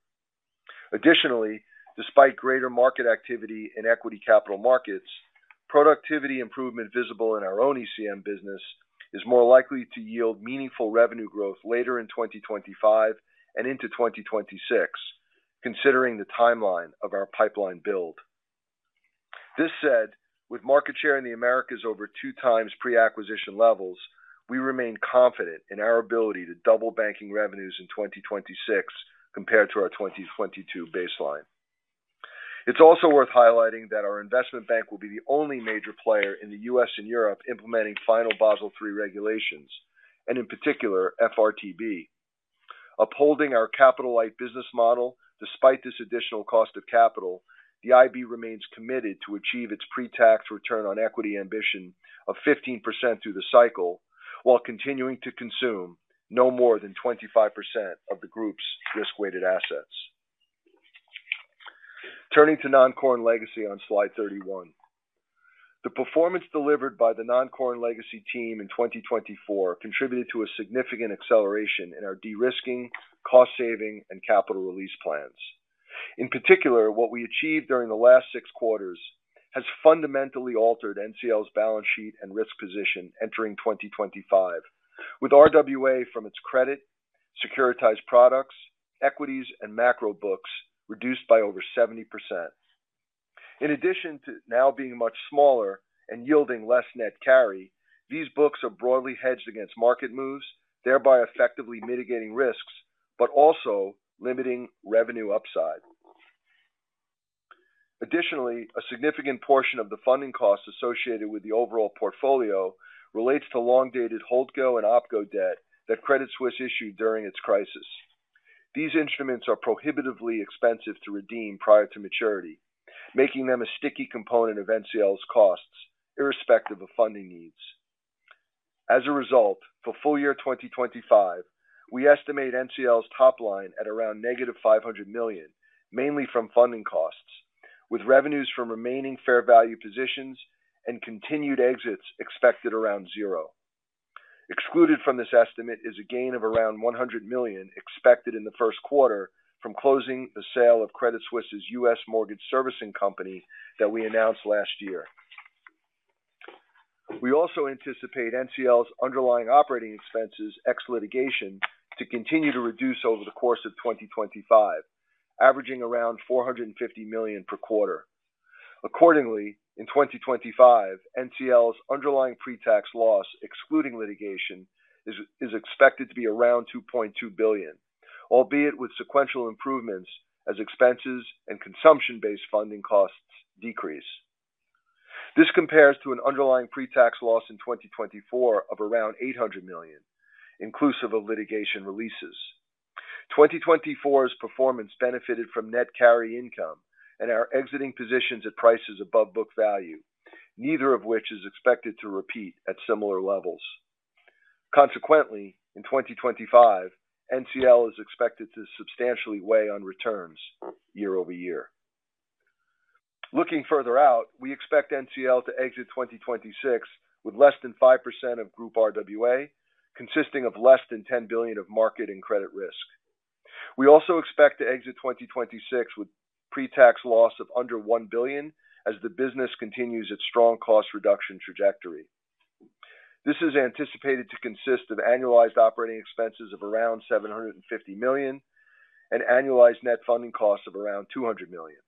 Additionally, despite greater market activity in equity capital markets, productivity improvement visible in our own ECM business is more likely to yield meaningful revenue growth later in 2025 and into 2026, considering the timeline of our pipeline build. That said, with market share in the Americas over two times pre-acquisition levels, we remain confident in our ability to double banking revenues in 2026 compared to our 2022 baseline. It's also worth highlighting that our investment bank will be the only major player in the U.S. and Europe implementing final Basel III regulations, and in particular, FRTB. Upholding our capital-light business model, despite this additional cost of capital, the IB remains committed to achieve its pre-tax return on equity ambition of 15% through the cycle while continuing to consume no more than 25% of the group's risk-weighted assets. Turning to Non-Core and Legacy on slide 31. The performance delivered by the Non-Core and Legacy team in 2024 contributed to a significant acceleration in our de-risking, cost-saving, and capital release plans. In particular, what we achieved during the last six quarters has fundamentally altered NCL's balance sheet and risk position entering 2025, with RWA from its credit, securitized products, equities, and macro books reduced by over 70%. In addition to now being much smaller and yielding less net carry, these books are broadly hedged against market moves, thereby effectively mitigating risks, but also limiting revenue upside. Additionally, a significant portion of the funding costs associated with the overall portfolio relates to long-dated HoldCo and OpCo debt that Credit Suisse issued during its crisis. These instruments are prohibitively expensive to redeem prior to maturity, making them a sticky component of NCL's costs, irrespective of funding needs. As a result, for full year 2025, we estimate NCL's top line at around -$500 million, mainly from funding costs, with revenues from remaining fair value positions and continued exits expected around zero. Excluded from this estimate is a gain of around $100 million expected in the first quarter from closing the sale of Credit Suisse's U.S. mortgage servicing company that we announced last year. We also anticipate NCL's underlying operating expenses, ex-litigation, to continue to reduce over the course of 2025, averaging around $450 million per quarter. Accordingly, in 2025, NCL's underlying pre-tax loss, excluding litigation, is expected to be around $2.2 billion, albeit with sequential improvements as expenses and consumption-based funding costs decrease. This compares to an underlying pre-tax loss in 2024 of around $800 million, inclusive of litigation releases. 2024's performance benefited from net carry income and our exiting positions at prices above book value, neither of which is expected to repeat at similar levels. Consequently, in 2025, NCL is expected to substantially weigh on returns year over year. Looking further out, we expect NCL to exit 2026 with less than 5% of group RWA, consisting of less than $10 billion of market and credit risk. We also expect to exit 2026 with pre-tax loss of under $1 billion as the business continues its strong cost reduction trajectory. This is anticipated to consist of annualized operating expenses of around $750 million and annualized net funding costs of around $200 million.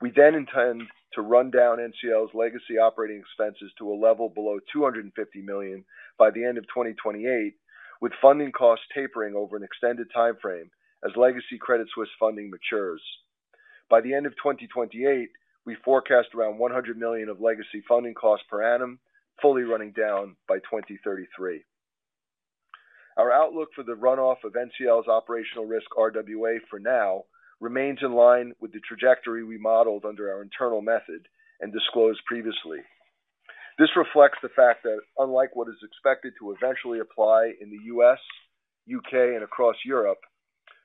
We then intend to run down NCL's legacy operating expenses to a level below $250 million by the end of 2028, with funding costs tapering over an extended timeframe as legacy Credit Suisse funding matures. By the end of 2028, we forecast around $100 million of legacy funding costs per annum, fully running down by 2033. Our outlook for the runoff of NCL's operational risk RWA for now remains in line with the trajectory we modeled under our internal method and disclosed previously. This reflects the fact that, unlike what is expected to eventually apply in the U.S., U.K., and across Europe,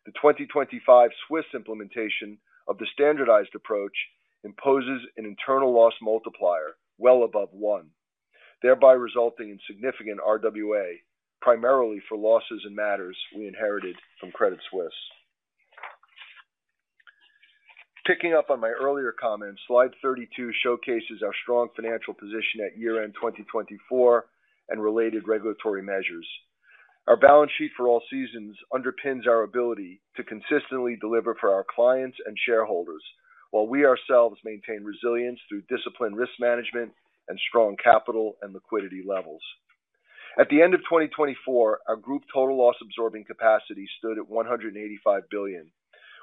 the 2025 Swiss implementation of the standardized approach imposes an internal loss multiplier well above one, thereby resulting in significant RWA, primarily for losses and matters we inherited from Credit Suisse. Picking up on my earlier comments, slide 32 showcases our strong financial position at year-end 2024 and related regulatory measures. Our balance sheet for all seasons underpins our ability to consistently deliver for our clients and shareholders while we ourselves maintain resilience through disciplined risk management and strong capital and liquidity levels. At the end of 2024, our group total loss absorbing capacity stood at $185 billion,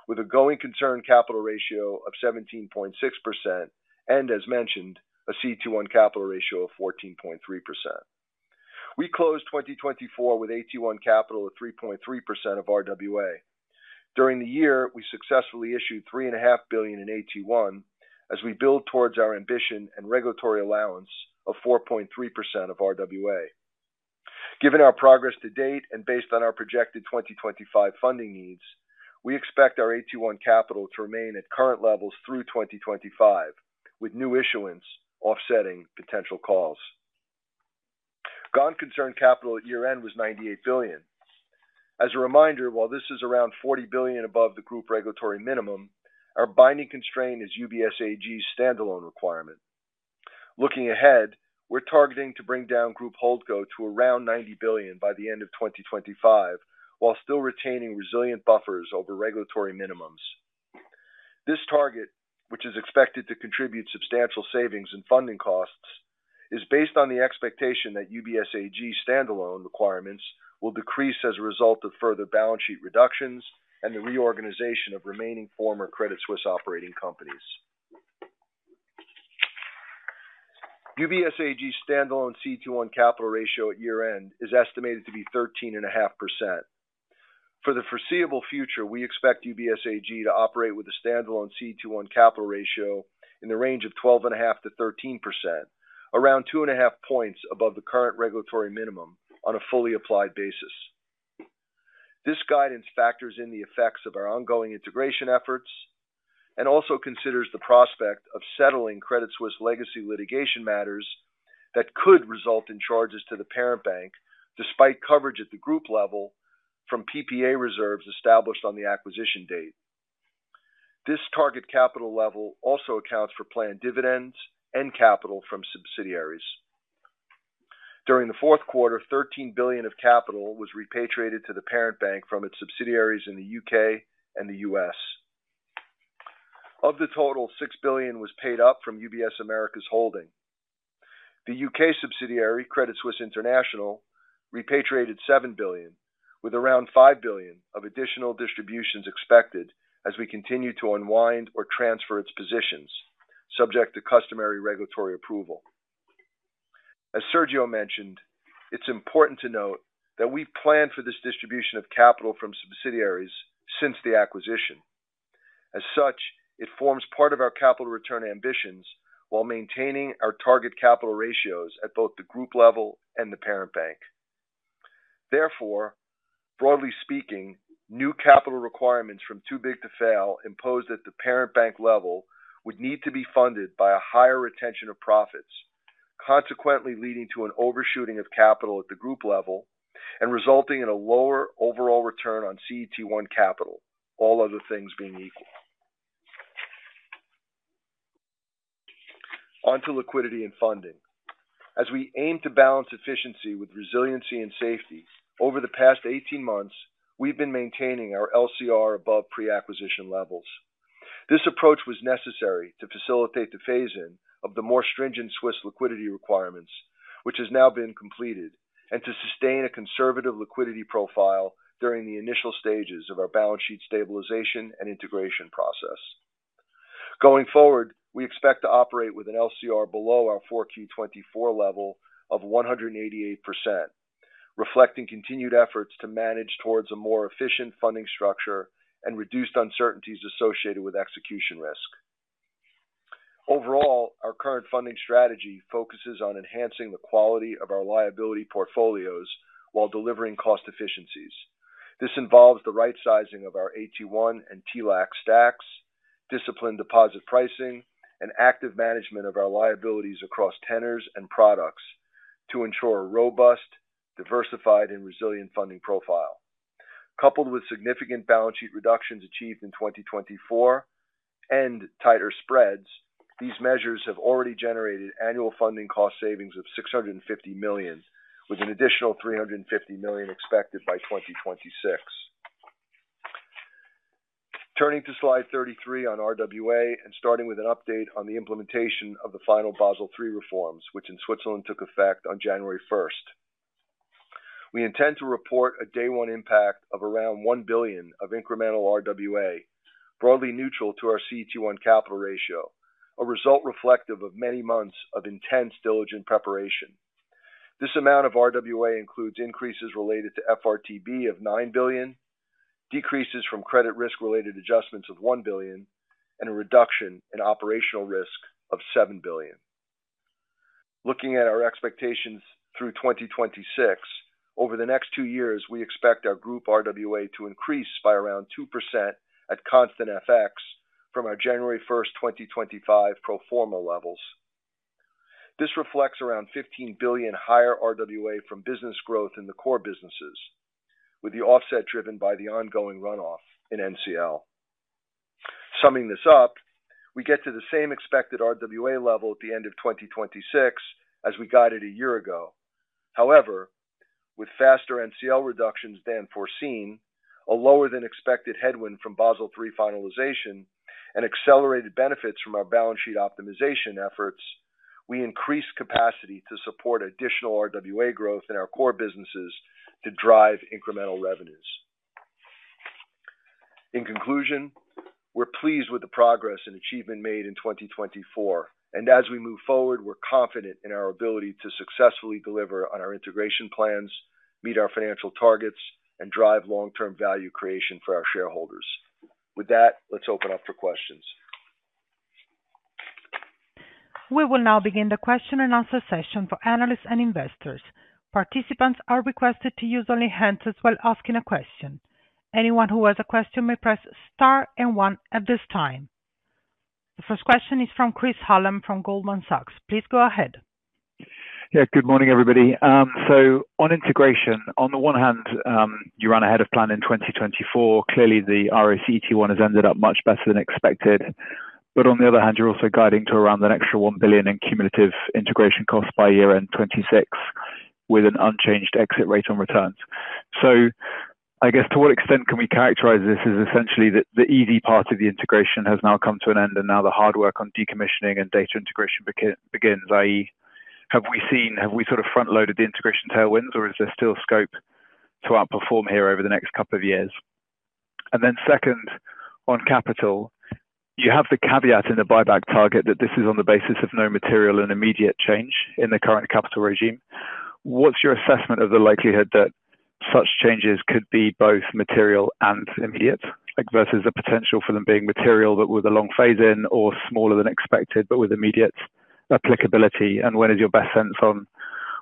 with a going concern capital ratio of 17.6% and, as mentioned, a CET1 capital ratio of 14.3%. We closed 2024 with AT1 capital of 3.3% of RWA. During the year, we successfully issued $3.5 billion in AT1 as we build towards our ambition and regulatory allowance of 4.3% of RWA. Given our progress to date and based on our projected 2025 funding needs, we expect our AT1 capital to remain at current levels through 2025, with new issuance offsetting potential calls. Gone Concern Capital at year-end was $98 billion. As a reminder, while this is around $40 billion above the group regulatory minimum, our binding constraint is UBS AG's standalone requirement. Looking ahead, we're targeting to bring down group HoldCo to around $90 billion by the end of 2025 while still retaining resilient buffers over regulatory minimums. This target, which is expected to contribute substantial savings in funding costs, is based on the expectation that UBS AG standalone requirements will decrease as a result of further balance sheet reductions and the reorganization of remaining former Credit Suisse operating companies. AG standalone CET1 capital ratio at year-end is estimated to be 13.5%. For the foreseeable future, we expect UBS AG to operate with a standalone CET1 capital ratio in the range of 12.5%-13%, around 2.5 points above the current regulatory minimum on a fully applied basis. This guidance factors in the effects of our ongoing integration efforts and also considers the prospect of settling Credit Suisse legacy litigation matters that could result in charges to the parent bank, despite coverage at the group level from PPA reserves established on the acquisition date. This target capital level also accounts for planned dividends and capital from subsidiaries. During the fourth quarter, $13 billion of capital was repatriated to the parent bank from its subsidiaries in the U.K. and the U.S. Of the total, $6 billion was paid up from UBS Americas Holding. The UK subsidiary, Credit Suisse International, repatriated $7 billion, with around $5 billion of additional distributions expected as we continue to unwind or transfer its positions, subject to customary regulatory approval. As Sergio mentioned, it's important to note that we've planned for this distribution of capital from subsidiaries since the acquisition. As such, it forms part of our capital return ambitions while maintaining our target capital ratios at both the group level and the parent bank. Therefore, broadly speaking, new capital requirements from Too Big to Fail impose that the parent bank level would need to be funded by a higher retention of profits, consequently leading to an overshooting of capital at the group level and resulting in a lower overall return on CET1 capital, all other things being equal. Onto liquidity and funding. As we aim to balance efficiency with resiliency and safety, over the past 18 months, we've been maintaining our LCR above pre-acquisition levels. This approach was necessary to facilitate the phase-in of the more stringent Swiss liquidity requirements, which has now been completed, and to sustain a conservative liquidity profile during the initial stages of our balance sheet stabilization and integration process. Going forward, we expect to operate with an LCR below our 4Q24 level of 188%, reflecting continued efforts to manage towards a more efficient funding structure and reduced uncertainties associated with execution risk. Overall, our current funding strategy focuses on enhancing the quality of our liability portfolios while delivering cost efficiencies. This involves the right-sizing of our AT1 and TLAC stacks, disciplined deposit pricing, and active management of our liabilities across tenors and products to ensure a robust, diversified, and resilient funding profile. Coupled with significant balance sheet reductions achieved in 2024 and tighter spreads, these measures have already generated annual funding cost savings of $650 million, with an additional $350 million expected by 2026. Turning to slide 33 on RWA and starting with an update on the implementation of the final Basel III reforms, which in Switzerland took effect on January 1st, we intend to report a day-one impact of around $1 billion of incremental RWA, broadly neutral to our CET1 capital ratio, a result reflective of many months of intense diligent preparation. This amount of RWA includes increases related to FRTB of $9 billion, decreases from credit risk-related adjustments of $1 billion, and a reduction in operational risk of $7 billion. Looking at our expectations through 2026, over the next two years, we expect our group RWA to increase by around 2% at constant FX from our January 1st, 2025, pro forma levels. This reflects around $15 billion higher RWA from business growth in the core businesses, with the offset driven by the ongoing runoff in NCL. Summing this up, we get to the same expected RWA level at the end of 2026 as we guided a year ago. However, with faster NCL reductions than foreseen, a lower-than-expected headwind from Basel III finalization, and accelerated benefits from our balance sheet optimization efforts, we increase capacity to support additional RWA growth in our core businesses to drive incremental revenues. In conclusion, we're pleased with the progress and achievement made in 2024, and as we move forward, we're confident in our ability to successfully deliver on our integration plans, meet our financial targets, and drive long-term value creation for our shareholders. With that, let's open up for questions. We will now begin the question and answer session for analysts and investors. Participants are requested to use only hands while asking a question. Anyone who has a question may press star and one at this time. The first question is from Chris Hallam from Goldman Sachs Group, Inc. Please go ahead. Yeah, good morning, everybody. So on integration, on the one hand, you ran ahead of plan in 2024. Clearly, the RO CET1 has ended up much better than expected. But on the other hand, you're also guiding to around an extra $1 billion in cumulative integration costs by year-end 2026 with an unchanged exit rate on returns. So I guess to what extent can we characterize this as essentially that the easy part of the integration has now come to an end and now the hard work on decommissioning and data integration begins, i.e., have we seen, have we sort of front-loaded the integration tailwinds, or is there still scope to outperform here over the next couple of years? And then second, on capital, you have the caveat in the buyback target that this is on the basis of no material and immediate change in the current capital regime. What's your assessment of the likelihood that such changes could be both material and immediate versus the potential for them being material but with a long phase-in or smaller than expected but with immediate applicability? And when is your best sense on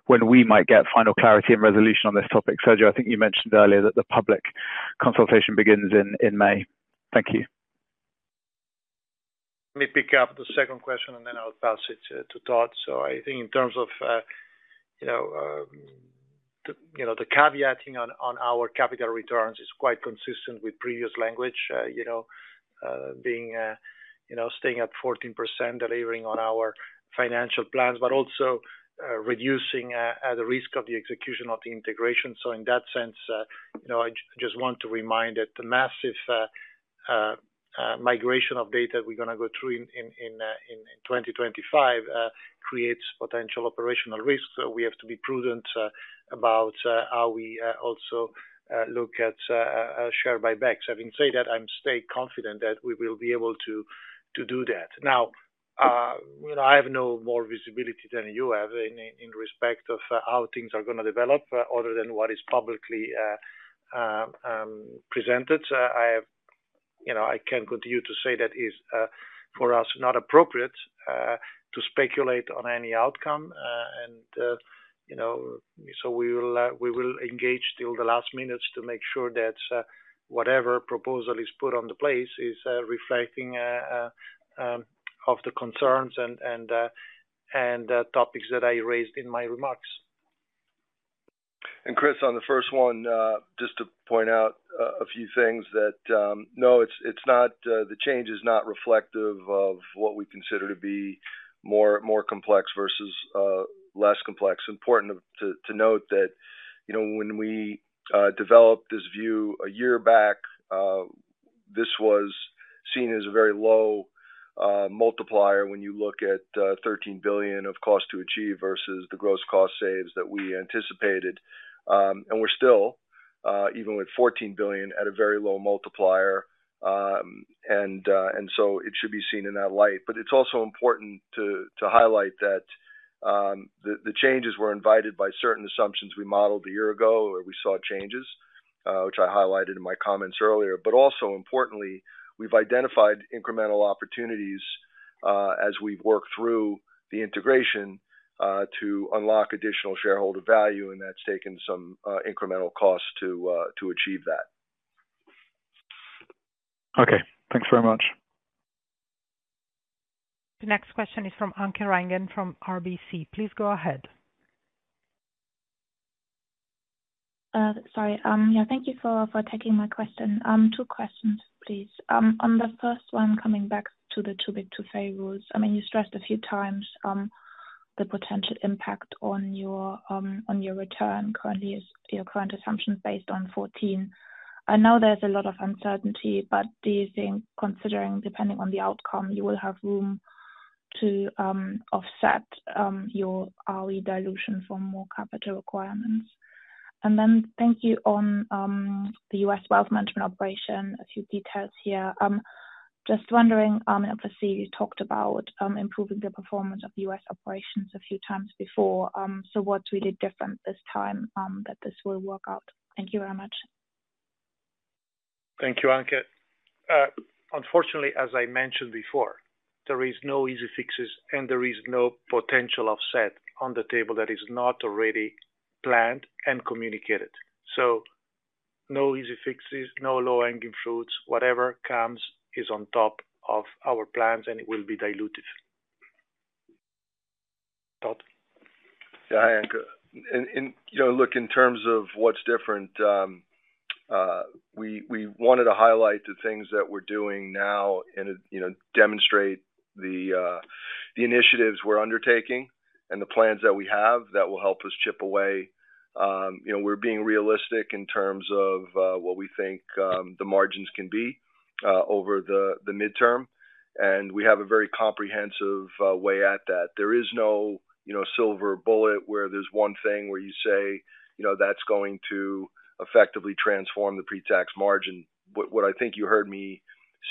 when we might get final clarity and resolution on this topic? Sergio, I think you mentioned earlier that the public consultation begins in May. Thank you. Let me pick up the second question, and then I'll pass it to Todd. So I think in terms of the caveating on our capital returns, it's quite consistent with previous language, being staying at 14%, delivering on our financial plans, but also reducing the risk of the execution of the integration. So in that sense, I just want to remind that the massive migration of data we're going to go through in 2025 creates potential operational risks. So we have to be prudent about how we also look at share buybacks. Having said that, I'm staying confident that we will be able to do that. Now, I have no more visibility than you have in respect of how things are going to develop other than what is publicly presented. I can continue to say that is, for us, not appropriate to speculate on any outcome. And so we will engage till the last minutes to make sure that whatever proposal is put on the place is reflecting the concerns and topics that I raised in my remarks. And Chris, on the first one, just to point out a few things that no, the change is not reflective of what we consider to be more complex versus less complex. Important to note that when we developed this view a year back, this was seen as a very low multiplier when you look at $13 billion of cost to achieve versus the gross cost saves that we anticipated, and we're still, even with $14 billion, at a very low multiplier, and so it should be seen in that light. But it's also important to highlight that the changes were invited by certain assumptions we modeled a year ago, or we saw changes, which I highlighted in my comments earlier, but also, importantly, we've identified incremental opportunities as we've worked through the integration to unlock additional shareholder value, and that's taken some incremental costs to achieve that. Okay. Thanks very much. The next question is from Anke Reingen from RBC. Please go ahead. Sorry. Yeah, thank you for taking my question. Two questions, please. On the first one, coming back to the Too Big to Fail rules, I mean, you stressed a few times the potential impact on your return. Currently is your current assumption based on 14. I know there's a lot of uncertainty, but do you think, considering depending on the outcome, you will have room to offset your RE dilution for more capital requirements? And then thank you on the U.S. wealth management operation, a few details here. Just wondering, obviously, you talked about improving the performance of U.S. operations a few times before. So what's really different this time that this will work out? Thank you very much. Thank you, Anke. Unfortunately, as I mentioned before, there are no easy fixes, and there is no potential offset on the table that is not already planned and communicated. So no easy fixes, no low-hanging fruits. Whatever comes is on top of our plans, and it will be diluted. Todd. Yeah, I agree, and look, in terms of what's different, we wanted to highlight the things that we're doing now and demonstrate the initiatives we're undertaking and the plans that we have that will help us chip away. We're being realistic in terms of what we think the margins can be over the midterm, and we have a very comprehensive way at that. There is no silver bullet where there's one thing where you say, "That's going to effectively transform the pre-tax margin." What I think you heard me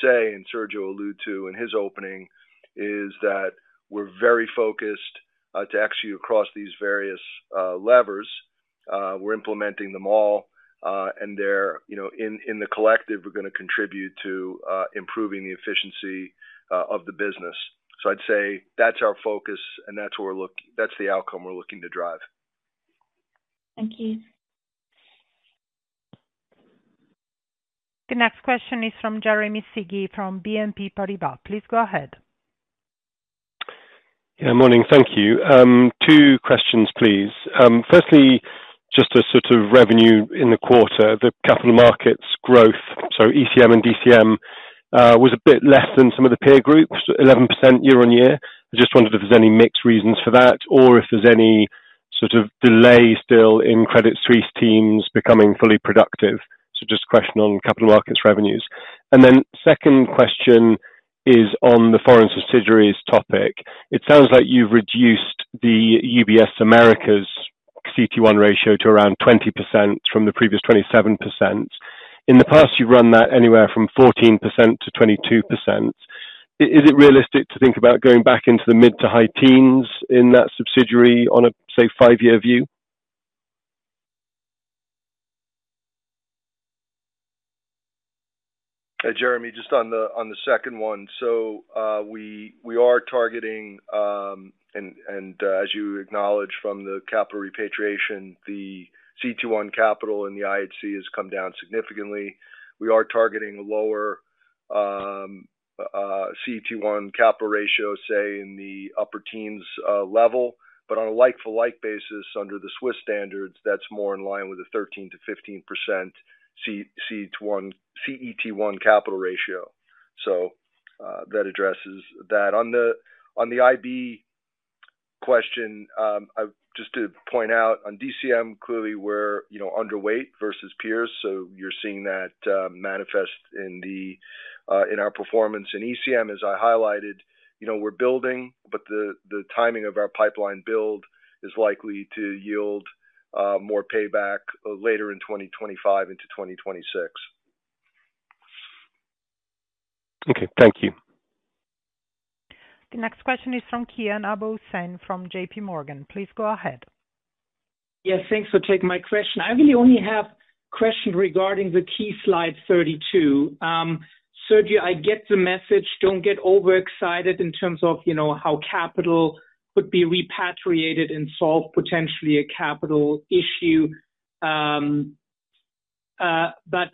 say, and Sergio alluded to in his opening, is that we're very focused to execute across these various levers. We're implementing them all, and in the collective, we're going to contribute to improving the efficiency of the business. So I'd say that's our focus, and that's the outcome we're looking to drive. Thank you. The next question is from Jeremy Sigee from BNP Paribas. Please go ahead. Yeah, morning. Thank you. Two questions, please. Firstly, just the sort of revenue in the quarter, the capital markets growth. So ECM and DCM was a bit less than some of the peer groups, 11% year-on-year. I just wondered if there's any mixed reasons for that or if there's any sort of delay still in Credit Suisse teams becoming fully productive. So just a question on capital markets revenues. And then second question is on the foreign subsidiaries topic. It sounds like you've reduced the UBS Americas' CET1 ratio to around 20% from the previous 27%. In the past, you've run that anywhere from 14% to 22%. Is it realistic to think about going back into the mid to high teens in that subsidiary on a, say, five-year view? Jeremy, just on the second one. So we are targeting, and as you acknowledged from the capital repatriation, the CET1 capital in the IHC has come down significantly. We are targeting a lower CET1 capital ratio, say, in the upper teens level, but on a like-for-like basis under the Swiss standards, that's more in line with a 13%-15% CET1 capital ratio. So that addresses that. On the IB question, just to point out, on DCM, clearly, we're underweight versus peers. So you're seeing that manifest in our performance. And ECM, as I highlighted, we're building, but the timing of our pipeline build is likely to yield more payback later in 2025 into 2026. Okay. Thank you. The next question is from Kian Abouhossein from JPMorgan. Please go ahead. Yes, thanks for taking my question. I really only have questions regarding the key slide 32. Sergio, I get the message, "Don't get overexcited in terms of how capital could be repatriated and solve potentially a capital issue." But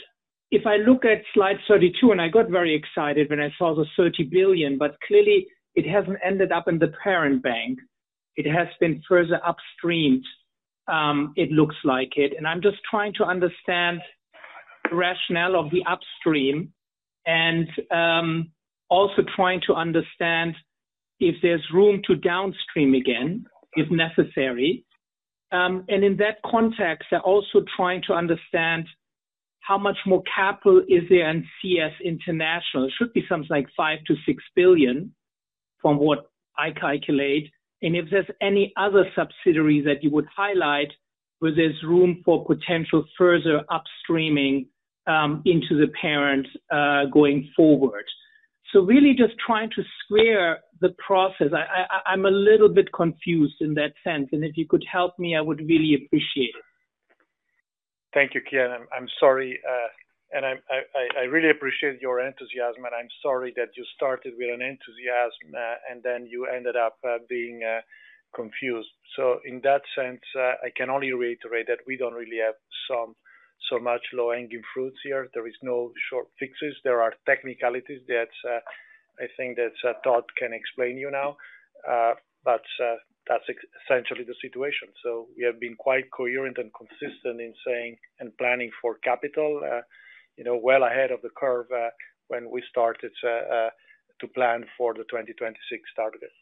if I look at slide 32, and I got very excited when I saw the 30 billion, but clearly, it hasn't ended up in the parent bank. It has been further upstreamed, it looks like it. And I'm just trying to understand the rationale of the upstream and also trying to understand if there's room to downstream again, if necessary. And in that context, I'm also trying to understand how much more capital is there in Credit Suisse International. It should be something like 5-6 billion from what I calculate. And if there's any other subsidiaries that you would highlight where there's room for potential further upstreaming into the parent going forward. So really just trying to square the process. I'm a little bit confused in that sense. And if you could help me, I would really appreciate it. Thank you, Kian. I'm sorry. And I really appreciate your enthusiasm, and I'm sorry that you started with an enthusiasm and then you ended up being confused. So in that sense, I can only reiterate that we don't really have so much low-hanging fruits here. There are no short fixes. There are technicalities that I think that Todd can explain to you now. But that's essentially the situation. So we have been quite coherent and consistent in saying and planning for capital well ahead of the curve when we started to plan for the 2026 targets.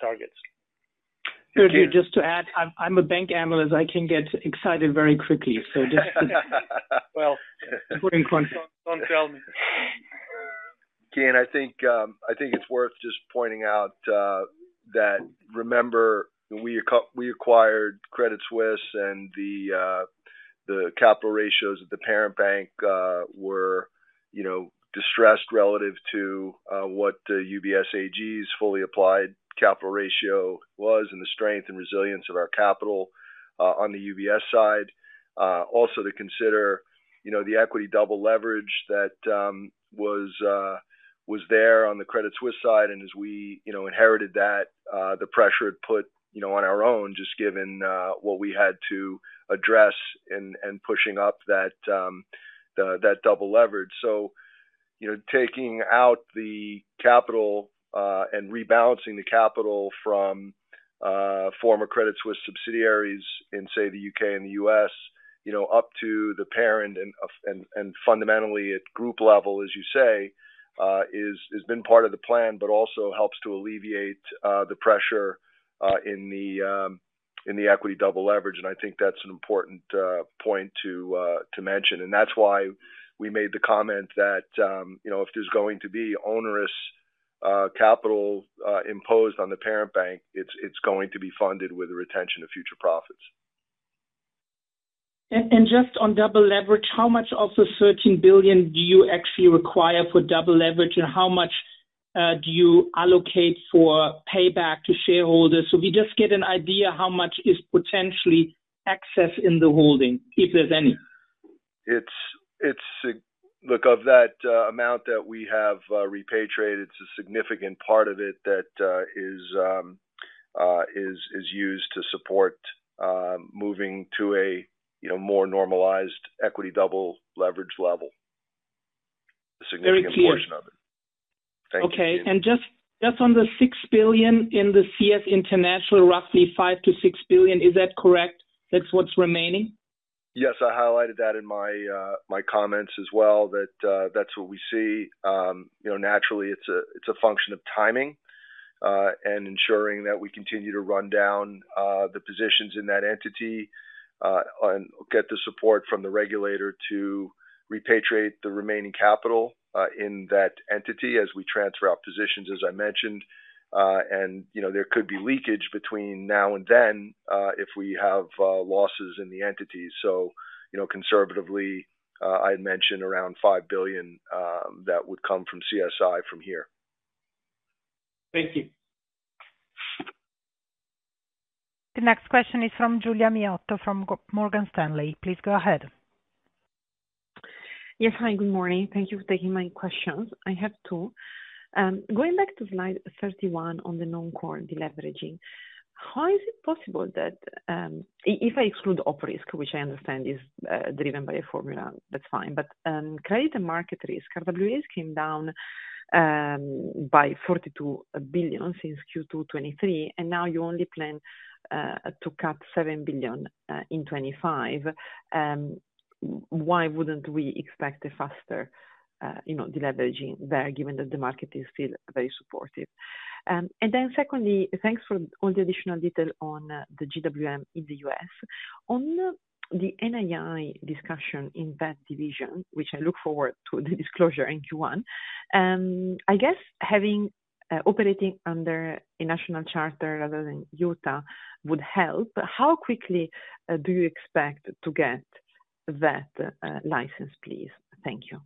Sergio, just to add, I'm a bank analyst. I can get excited very quickly. So just don't tell me. Kian, I think it's worth just pointing out that, remember, we acquired Credit Suisse, and the capital ratios at the parent bank were distressed relative to what the UBS AG's fully applied capital ratio was and the strength and resilience of our capital on the UBS side. Also, to consider the equity double leverage that was there on the Credit Suisse side. And as we inherited that, the pressure it put on our own, just given what we had to address and pushing up that double leverage. So taking out the capital and rebalancing the capital from former Credit Suisse subsidiaries in, say, the U.K. and the U.S., up to the parent and fundamentally at group level, as you say, has been part of the plan, but also helps to alleviate the pressure in the equity double leverage. And I think that's an important point to mention. And that's why we made the comment that if there's going to be onerous capital imposed on the parent bank, it's going to be funded with the retention of future profits. And just on double leverage, how much of the 13 billion do you actually require for double leverage, and how much do you allocate for payback to shareholders? So we just get an idea how much is potentially accessed in the holding, if there's any. Look, of that amount that we have repatriated, it's a significant part of it that is used to support moving to a more normalized equity double leverage level, a significant portion of it. Thank you. Okay. And just on the 6 billion in the Credit Suisse International, roughly 5-6 billion, is that correct? That's what's remaining? Yes. I highlighted that in my comments as well, that that's what we see. Naturally, it's a function of timing and ensuring that we continue to run down the positions in that entity and get the support from the regulator to repatriate the remaining capital in that entity as we transfer out positions, as I mentioned. And there could be leakage between now and then if we have losses in the entity. So conservatively, I had mentioned around 5 billion that would come from CSI from here. Thank you. The next question is from Giulia Miotto from Morgan Stanley. Please go ahead. Yes. Hi. Good morning. Thank you for taking my questions. I have two. Going back to slide 31 on the non-core deleveraging, how is it possible that if I exclude operators, which I understand is driven by a formula, that's fine, but credit and market risk, RWAs came down by 42 billion since Q223, and now you only plan to cut 7 billion in 2025, why wouldn't we expect a faster deleveraging there given that the market is still very supportive? And then secondly, thanks for all the additional detail on the GWM in the US. On the NNA discussion in that division, which I look forward to the disclosure in Q1, I guess operating under a national charter rather than Utah would help. How quickly do you expect to get that license, please? Thank you.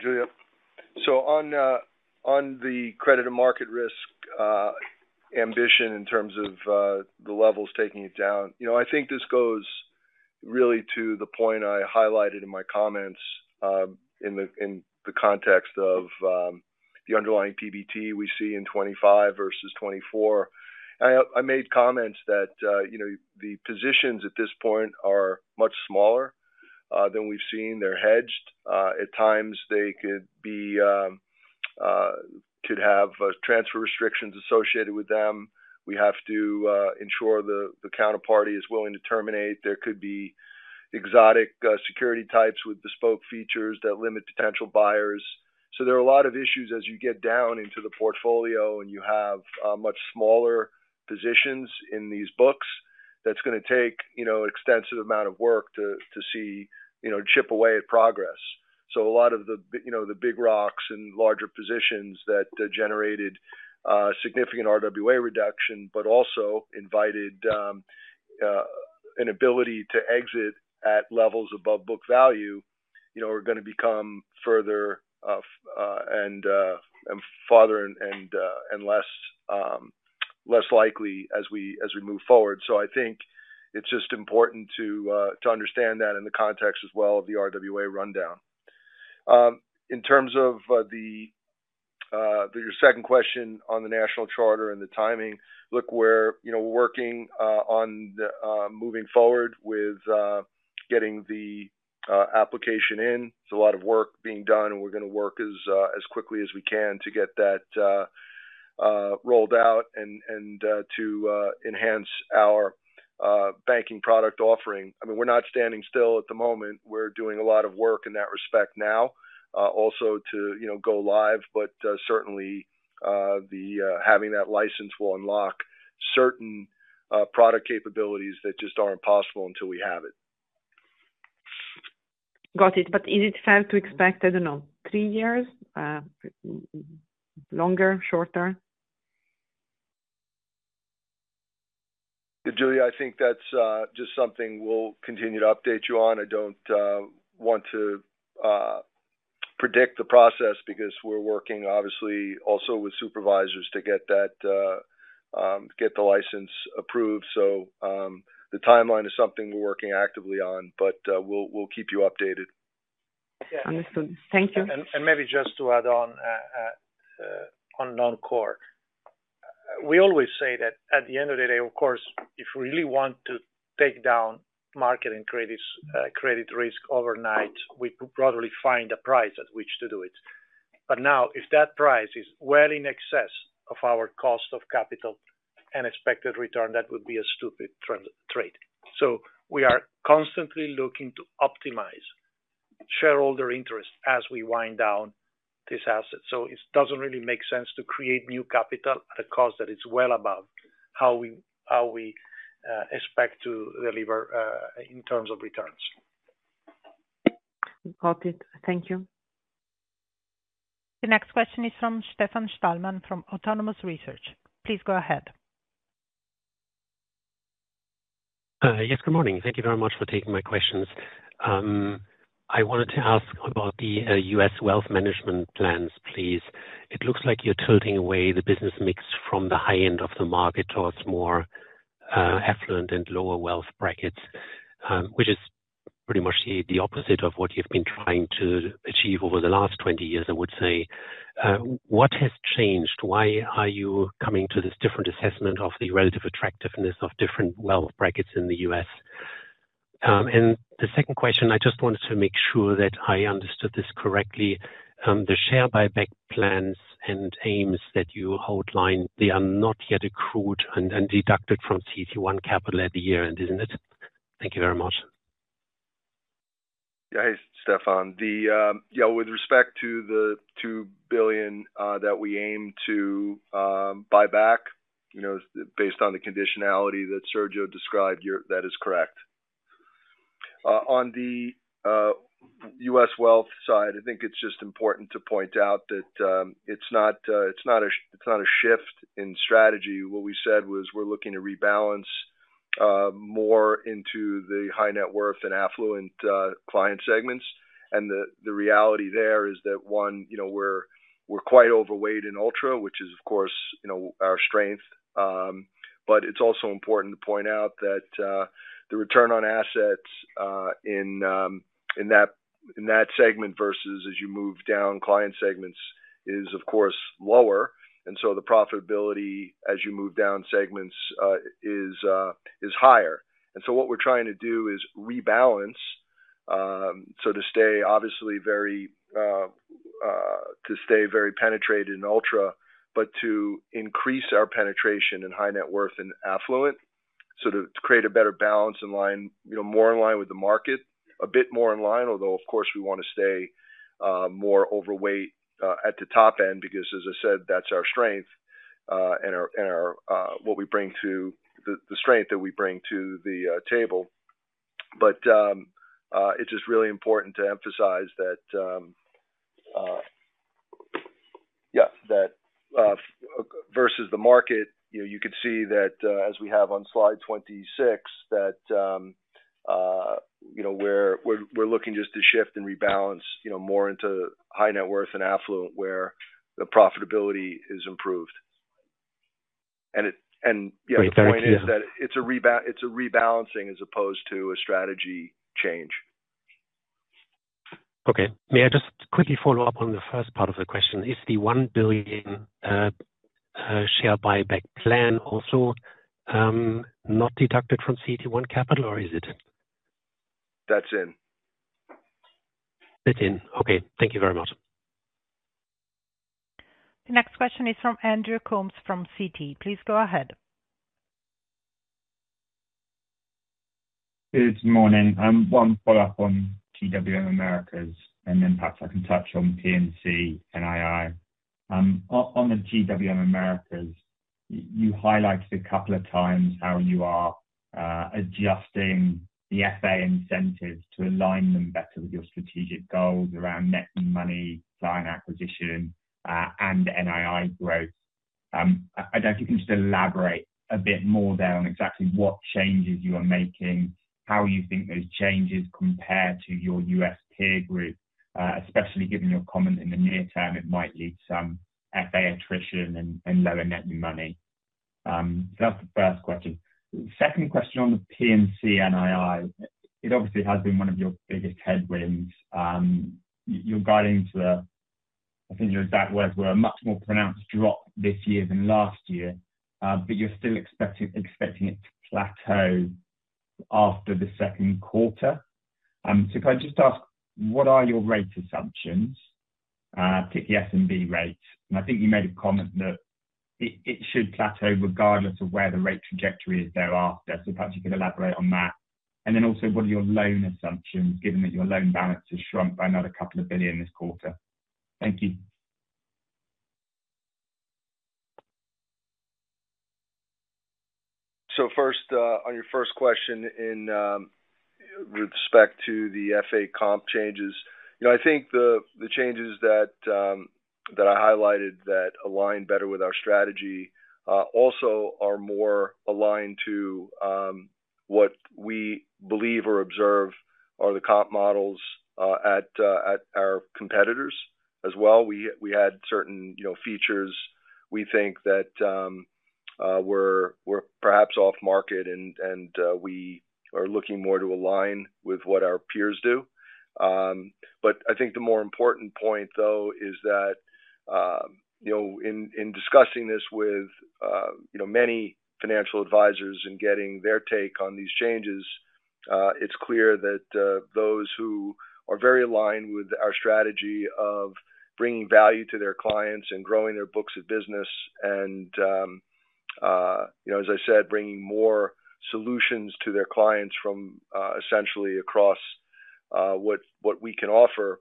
Julia. So on the credit and market risk ambition in terms of the levels taking it down, I think this goes really to the point I highlighted in my comments in the context of the underlying PBT we see in 2025 versus 2024. I made comments that the positions at this point are much smaller than we've seen. They're hedged. At times, they could have transfer restrictions associated with them. We have to ensure the counterparty is willing to terminate. There could be exotic security types with bespoke features that limit potential buyers. So there are a lot of issues as you get down into the portfolio and you have much smaller positions in these books. That's going to take an extensive amount of work to chip away at progress. So a lot of the big rocks and larger positions that generated significant RWA reduction, but also invited an ability to exit at levels above book value, are going to become further and farther and less likely as we move forward. So I think it's just important to understand that in the context as well of the RWA rundown. In terms of your second question on the national charter and the timing, look, we're working on moving forward with getting the application in. There's a lot of work being done, and we're going to work as quickly as we can to get that rolled out and to enhance our banking product offering. I mean, we're not standing still at the moment. We're doing a lot of work in that respect now, also to go live. But certainly, having that license will unlock certain product capabilities that just aren't possible until we have it. Got it. But is it fair to expect, I don't know, three years, longer, shorter? Julia, I think that's just something we'll continue to update you on. I don't want to predict the process because we're working, obviously, also with supervisors to get the license approved. So the timeline is something we're working actively on, but we'll keep you updated. Yeah. Understood. Thank you. And maybe just to add on non-core, we always say that at the end of the day, of course, if we really want to take down market and credit risk overnight, we probably find a price at which to do it. But now, if that price is well in excess of our cost of capital and expected return, that would be a stupid trade. So we are constantly looking to optimize shareholder interest as we wind down this asset. So it doesn't really make sense to create new capital at a cost that is well above how we expect to deliver in terms of returns. Got it. Thank you. The next question is from Stefan Stalmann from Autonomous Research. Please go ahead. Yes. Good morning. Thank you very much for taking my questions. I wanted to ask about the US wealth management plans, please. It looks like you're tilting away the business mix from the high end of the market towards more affluent and lower wealth brackets, which is pretty much the opposite of what you've been trying to achieve over the last 20 years, I would say. What has changed? Why are you coming to this different assessment of the relative attractiveness of different wealth brackets in the US? The second question, I just wanted to make sure that I understood this correctly. The share buyback plans and aims that you outlined, they are not yet accrued and deducted from CET1 capital at the year, isn't it? Thank you very much. Yeah, Stefan. Yeah, with respect to the 2 billion that we aim to buy back, based on the conditionality that Sergio described, that is correct. On the U.S. wealth side, I think it's just important to point out that it's not a shift in strategy. What we said was we're looking to rebalance more into the high net worth and affluent client segments. The reality there is that, one, we're quite overweight in ultra, which is, of course, our strength. But it's also important to point out that the return on assets in that segment versus as you move down client segments is, of course, lower. The profitability as you move down segments is higher. What we're trying to do is rebalance so to stay, obviously, very penetrated in ultra, but to increase our penetration in high net worth and affluent so to create a better balance and more in line with the market, a bit more in line, although, of course, we want to stay more overweight at the top end because, as I said, that's our strength and what we bring to the table. It's just really important to emphasize that, yeah, that versus the market, you could see that as we have on slide 26, that we're looking just to shift and rebalance more into high net worth and affluent where the profitability is improved. And the point is that it's a rebalancing as opposed to a strategy change. Okay. May I just quickly follow up on the first part of the question? Is the 1 billion share buyback plan also not deducted from CET1 capital, or is it? That's in. That's in. Okay. Thank you very much. The next question is from Andrew Coombs from Citi. Please go ahead. Good morning. One follow-up on GWM Americas and then perhaps I can touch on P&C NII. On the GWM Americas, you highlighted a couple of times how you are adjusting the FA incentives to align them better with your strategic goals around net new money acquisition and NII growth. I don't know if you can just elaborate a bit more there on exactly what changes you are making, how you think those changes compare to your U.S. peer group, especially given your comment in the near term it might lead to some FA attrition and lower net money. So that's the first question. Second question on the P&C NII, it obviously has been one of your biggest headwinds. You're guiding to the, I think your exact words were, a much more pronounced drop this year than last year, but you're still expecting it to plateau after the second quarter. So can I just ask, what are your rate assumptions, particularly SNB rates? And I think you made a comment that it should plateau regardless of where the rate trajectory is thereafter. So perhaps you could elaborate on that. And then also, what are your loan assumptions given that your loan balance has shrunk by another couple of billion this quarter? Thank you. So first, on your first question in respect to the FA comp changes, I think the changes that I highlighted that align better with our strategy also are more aligned to what we believe or observe are the comp models at our competitors as well. We had certain features we think that were perhaps off-market, and we are looking more to align with what our peers do. But I think the more important point, though, is that in discussing this with many financial advisors and getting their take on these changes, it's clear that those who are very aligned with our strategy of bringing value to their clients and growing their books of business and, as I said, bringing more solutions to their clients from essentially across what we can offer,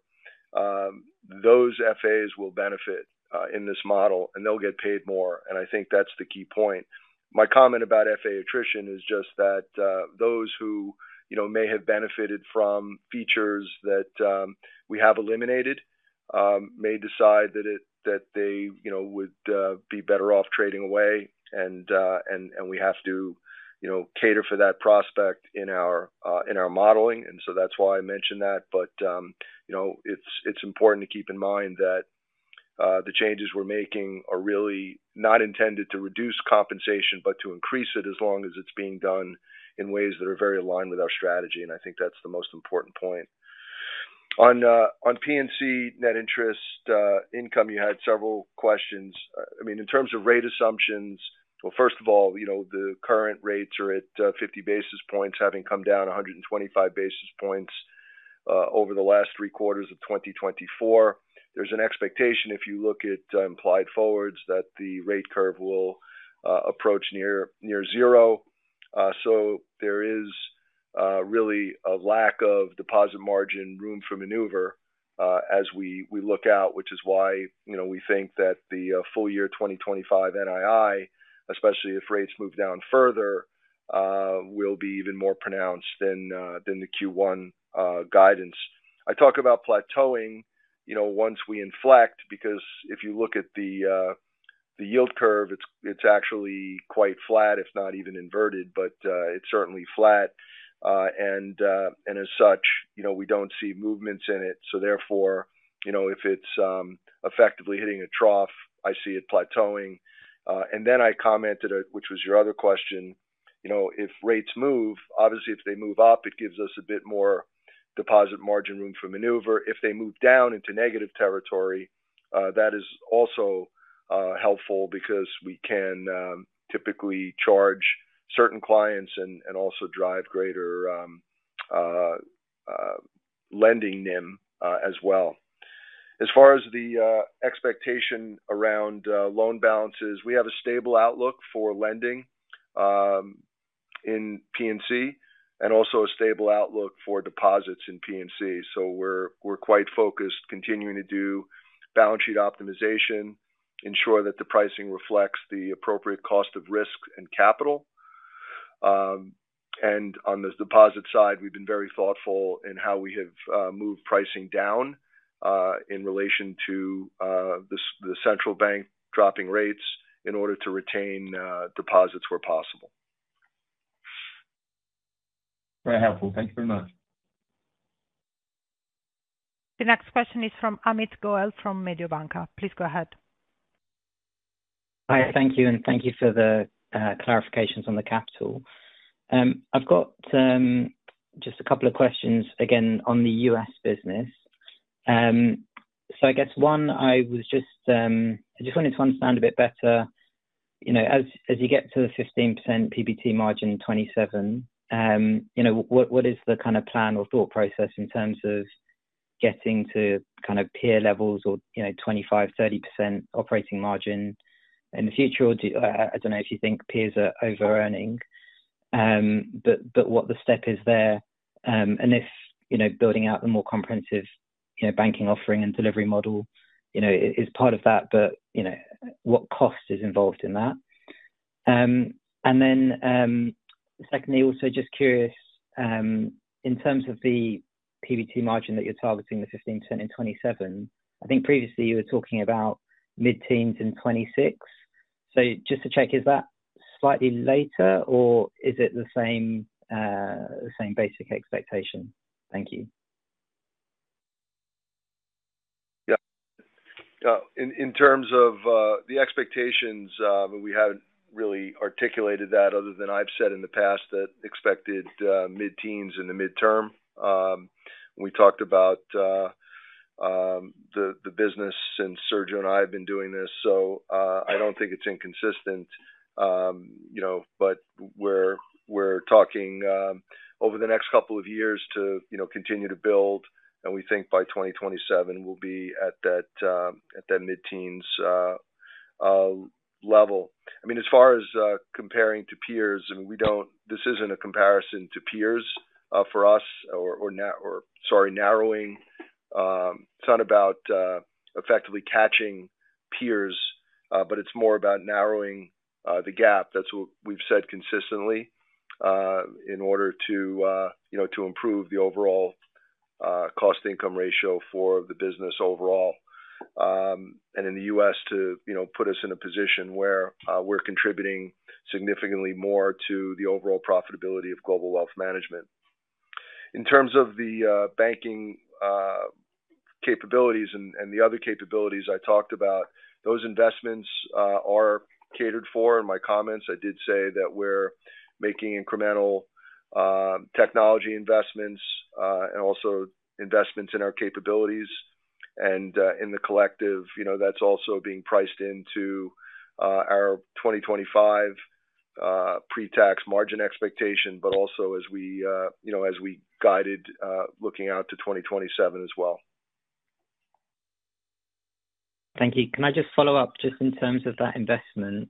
those FAs will benefit in this model, and they'll get paid more. And I think that's the key point. My comment about FA attrition is just that those who may have benefited from features that we have eliminated may decide that they would be better off trading away, and we have to cater for that prospect in our modeling. And so that's why I mentioned that. But it's important to keep in mind that the changes we're making are really not intended to reduce compensation, but to increase it as long as it's being done in ways that are very aligned with our strategy. And I think that's the most important point. On P&C net interest income, you had several questions. I mean, in terms of rate assumptions, well, first of all, the current rates are at 50 basis points, having come down 125 basis points over the last three quarters of 2024. There's an expectation, if you look at implied forwards, that the rate curve will approach near zero. So there is really a lack of deposit margin room for maneuver as we look out, which is why we think that the full year 2025 NII, especially if rates move down further, will be even more pronounced than the Q1 guidance. I talk about plateauing once we inflect because if you look at the yield curve, it's actually quite flat, if not even inverted, but it's certainly flat. And as such, we don't see movements in it. So therefore, if it's effectively hitting a trough, I see it plateauing. And then I commented, which was your other question, if rates move, obviously, if they move up, it gives us a bit more deposit margin room for maneuver. If they move down into negative territory, that is also helpful because we can typically charge certain clients and also drive greater lending NIM as well. As far as the expectation around loan balances, we have a stable outlook for lending in P&C and also a stable outlook for deposits in P&C. So we're quite focused on continuing to do balance sheet optimization, ensure that the pricing reflects the appropriate cost of risk and capital. And on the deposit side, we've been very thoughtful in how we have moved pricing down in relation to the central bank dropping rates in order to retain deposits where possible. Very helpful. Thank you very much. T he next question is from Amit Goel from Mediobanca. Please go ahead. Hi. Thank you. And thank you for the clarifications on the capital. I've got just a couple of questions, again, on the US business. So I guess, one, I just wanted to understand a bit better, as you get to the 15% PBT margin in 2027, what is the kind of plan or thought process in terms of getting to kind of peer levels or 25%-30% operating margin in the future? I don't know if you think peers are over-earning, but what the step is there. And if building out the more comprehensive banking offering and delivery model is part of that, but what cost is involved in that? And then secondly, also just curious, in terms of the PBT margin that you're targeting, the 15% in 2027, I think previously you were talking about mid-teens in 2026. So just to check, is that slightly later, or is it the same basic expectation? Thank you. Yeah. In terms of the expectations, we haven't really articulated that other than I've said in the past that expected mid-teens in the midterm. We talked about the business, and Sergio and I have been doing this. So I don't think it's inconsistent. But we're talking over the next couple of years to continue to build, and we think by 2027 we'll be at that mid-teens level. I mean, as far as comparing to peers, I mean, this isn't a comparison to peers for us or, sorry, narrowing. It's not about effectively catching peers, but it's more about narrowing the gap. That's what we've said consistently in order to improve the overall cost-to-income ratio for the business overall. And in the U.S., to put us in a position where we're contributing significantly more to the overall profitability of Global Wealth Management. In terms of the banking capabilities and the other capabilities I talked about, those investments are catered for. In my comments, I did say that we're making incremental technology investments and also investments in our capabilities. In the collective, that's also being priced into our 2025 pre-tax margin expectation, but also as we guided looking out to 2027 as well. Thank you. Can I just follow up just in terms of that investment?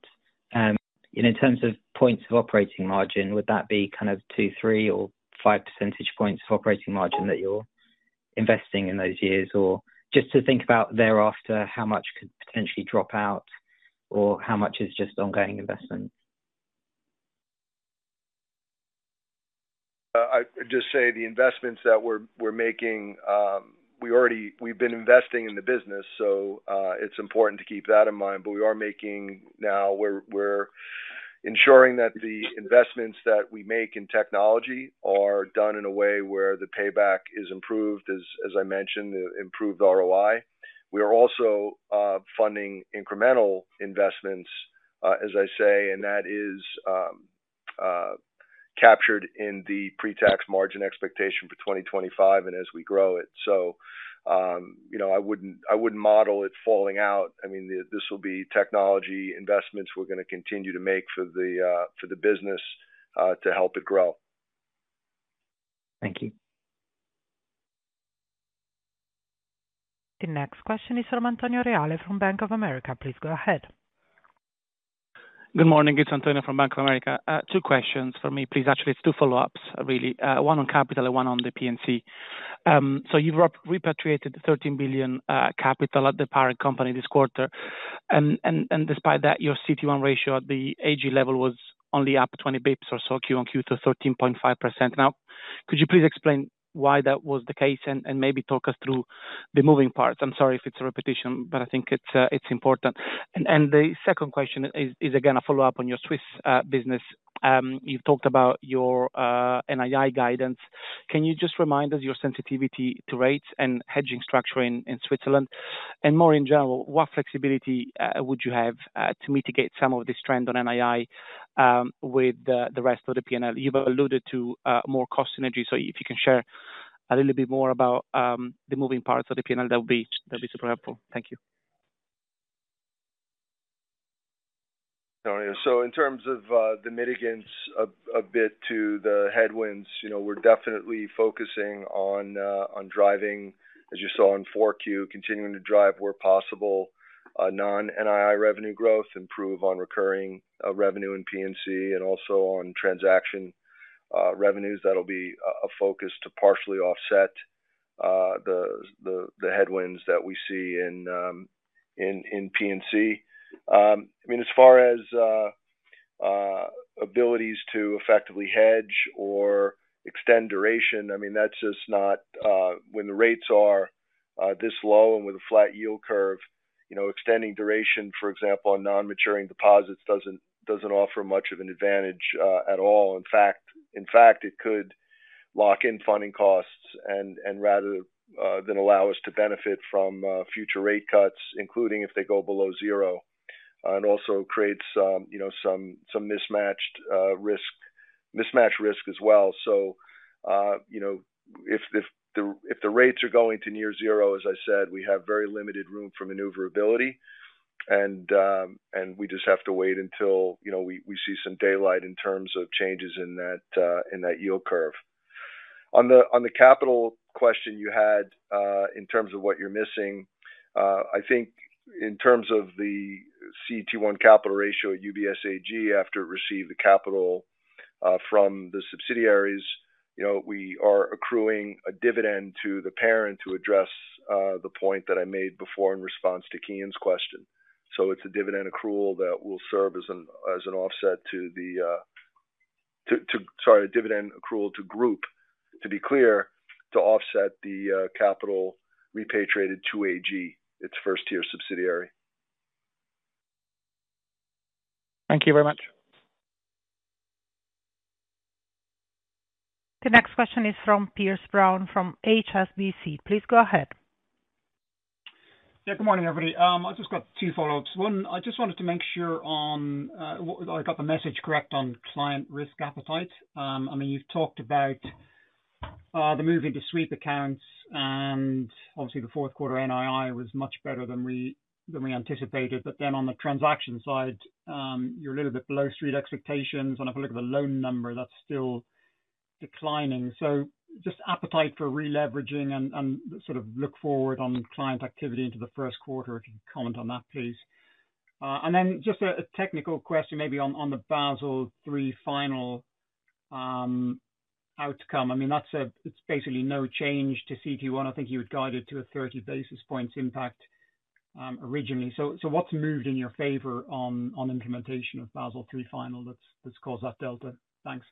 In terms of points of operating margin, would that be kind of two, three, or five percentage points of operating margin that you're investing in those years? Or just to think about thereafter, how much could potentially drop out, or how much is just ongoing investment? I'd just say the investments that we're making, we've been investing in the business, so it's important to keep that in mind. But we are making now, we're ensuring that the investments that we make in technology are done in a way where the payback is improved, as I mentioned, improved ROI. We are also funding incremental investments, as I say, and that is captured in the pre-tax margin expectation for 2025 and as we grow it. So I wouldn't model it falling out. I mean, this will be technology investments we're going to continue to make for the business to help it grow. Thank you. The next question is from Antonio Reale from Bank of America. Please go ahead. Good morning. It's Antonio from Bank of America. Two questions for me, please. Actually, it's two follow-ups, really. One on capital and one on the P&C. So you've repatriated 13 billion capital at the parent company this quarter. And despite that, your CET1 ratio at the Group AG level was only up 20 basis points or so, Q1, Q2, 13.5%. Now, could you please explain why that was the case and maybe talk us through the moving parts? I'm sorry if it's a repetition, but I think it's important. And the second question is, again, a follow-up on your Swiss business. You've talked about your NII guidance. Can you just remind us your sensitivity to rates and hedging structure in Switzerland? And more in general, what flexibility would you have to mitigate some of this trend on NII with the rest of the P&L? You've alluded to more cost synergy. So if you can share a little bit more about the moving parts of the P&L, that would be super helpful. Thank you. So in terms of the mitigants a bit to the headwinds, we're definitely focusing on driving, as you saw in 4Q, continuing to drive where possible non-NII revenue growth, improve on recurring revenue in P&C, and also on transaction revenues. That'll be a focus to partially offset the headwinds that we see in P&C. I mean, as far as abilities to effectively hedge or extend duration, I mean, that's just not when the rates are this low and with a flat yield curve, extending duration, for example, on non-maturing deposits doesn't offer much of an advantage at all. In fact, it could lock in funding costs and rather than allow us to benefit from future rate cuts, including if they go below zero, and also creates some mismatched risk as well. So if the rates are going to near zero, as I said, we have very limited room for maneuverability, and we just have to wait until we see some daylight in terms of changes in that yield curve. On the capital question you had in terms of what you're missing, I think in terms of the CET1 capital ratio at UBS AG, after it received the capital from the subsidiaries, we are accruing a dividend to the parent to address the point that I made before in response to Kian's question. So it's a dividend accrual that will serve as an offset to the—sorry, a dividend accrual to Group, to be clear, to offset the capital repatriated to AG, its first-tier subsidiary. Thank you very much. The next question is from Piers Brown from HSBC. Please go ahead. Yeah. Good morning, everybody. I just got two follow-ups. One, I just wanted to make sure on what I got the message correct on client risk appetite. I mean, you've talked about the moving to sweep accounts, and obviously, the fourth quarter NII was much better than we anticipated. But then on the transaction side, you're a little bit below street expectations. And if I look at the loan number, that's still declining. So just appetite for re-leveraging and sort of look forward on client activity into the first quarter. If you can comment on that, please. And then just a technical question, maybe on the Basel III final outcome. I mean, it's basically no change to CET1. I think you had guided to a 30 basis points impact originally. So what's moved in your favor on implementation of Basel III final that's caused that delta? Thanks.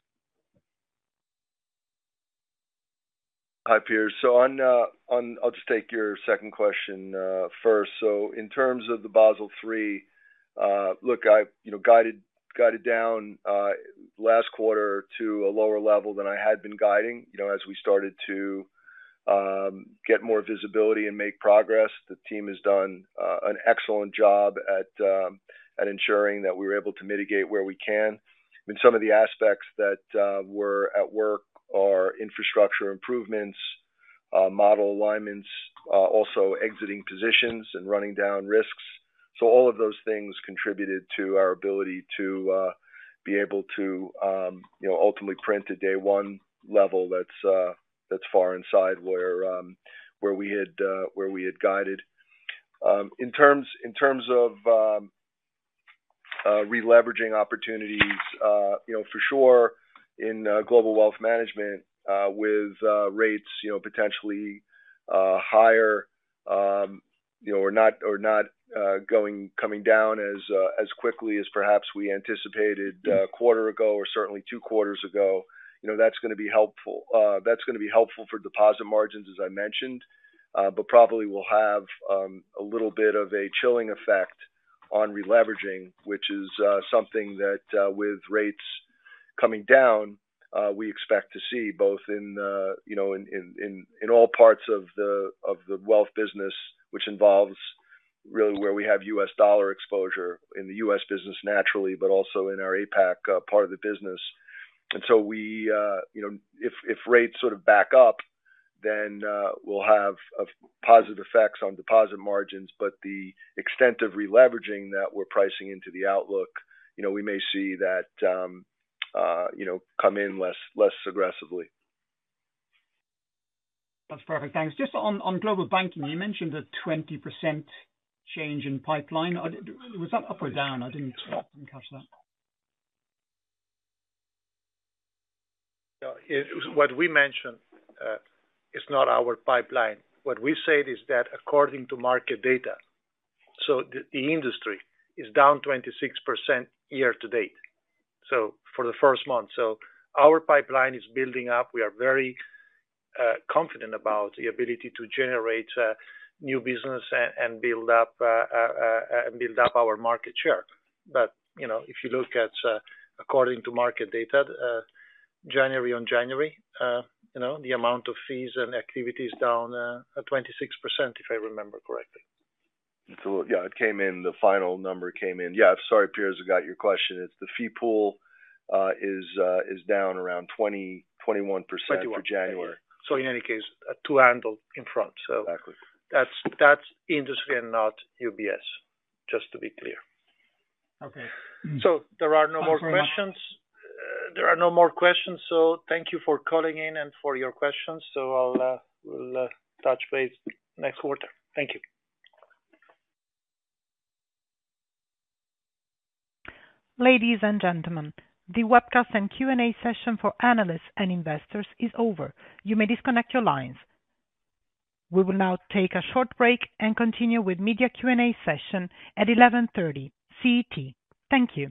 Hi, Pierce. So I'll just take your second question first. So in terms of the Basel III, look, I guided down last quarter to a lower level than I had been guiding as we started to get more visibility and make progress. The team has done an excellent job at ensuring that we were able to mitigate where we can. I mean, some of the aspects that were at work are infrastructure improvements, model alignments, also exiting positions and running down risks. So all of those things contributed to our ability to be able to ultimately print a day-one level that's far inside where we had guided. In terms of re-leveraging opportunities, for sure, in global wealth management with rates potentially higher or not coming down as quickly as perhaps we anticipated a quarter ago or certainly two quarters ago, that's going to be helpful. That's going to be helpful for deposit margins, as I mentioned, but probably will have a little bit of a chilling effect on re-leveraging, which is something that, with rates coming down, we expect to see both in all parts of the wealth business, which involves really where we have US dollar exposure in the US business naturally, but also in our APAC part of the business, and so if rates sort of back up, then we'll have positive effects on deposit margins, but the extent of re-leveraging that we're pricing into the outlook, we may see that come in less aggressively. That's perfect. Thanks. Just on global banking, you mentioned a 20% change in pipeline. Was that up or down? I didn't catch that. What we mentioned is not our pipeline. What we said is that, according to market data, the industry is down 26% year to date for the first month. Our pipeline is building up. We are very confident about the ability to generate new business and build up our market share. But if you look at, according to market data, January on January, the amount of fees and activity is down 26%, if I remember correctly. Yeah. The final number came in. Yeah. Sorry, Piers, I got your question. It's the fee pool is down around 20-21% for January. In any case, to handle in front. That's industry and not UBS, just to be clear. Okay. There are no more questions. There are no more questions. Thank you for calling in and for your questions. We'll touch base next quarter. Thank you. Ladies and gentlemen, the webcast and Q&A session for analysts and investors is over. You may disconnect your lines. We will now take a short break and continue with media Q&A session at 11:30 CET. Thank you.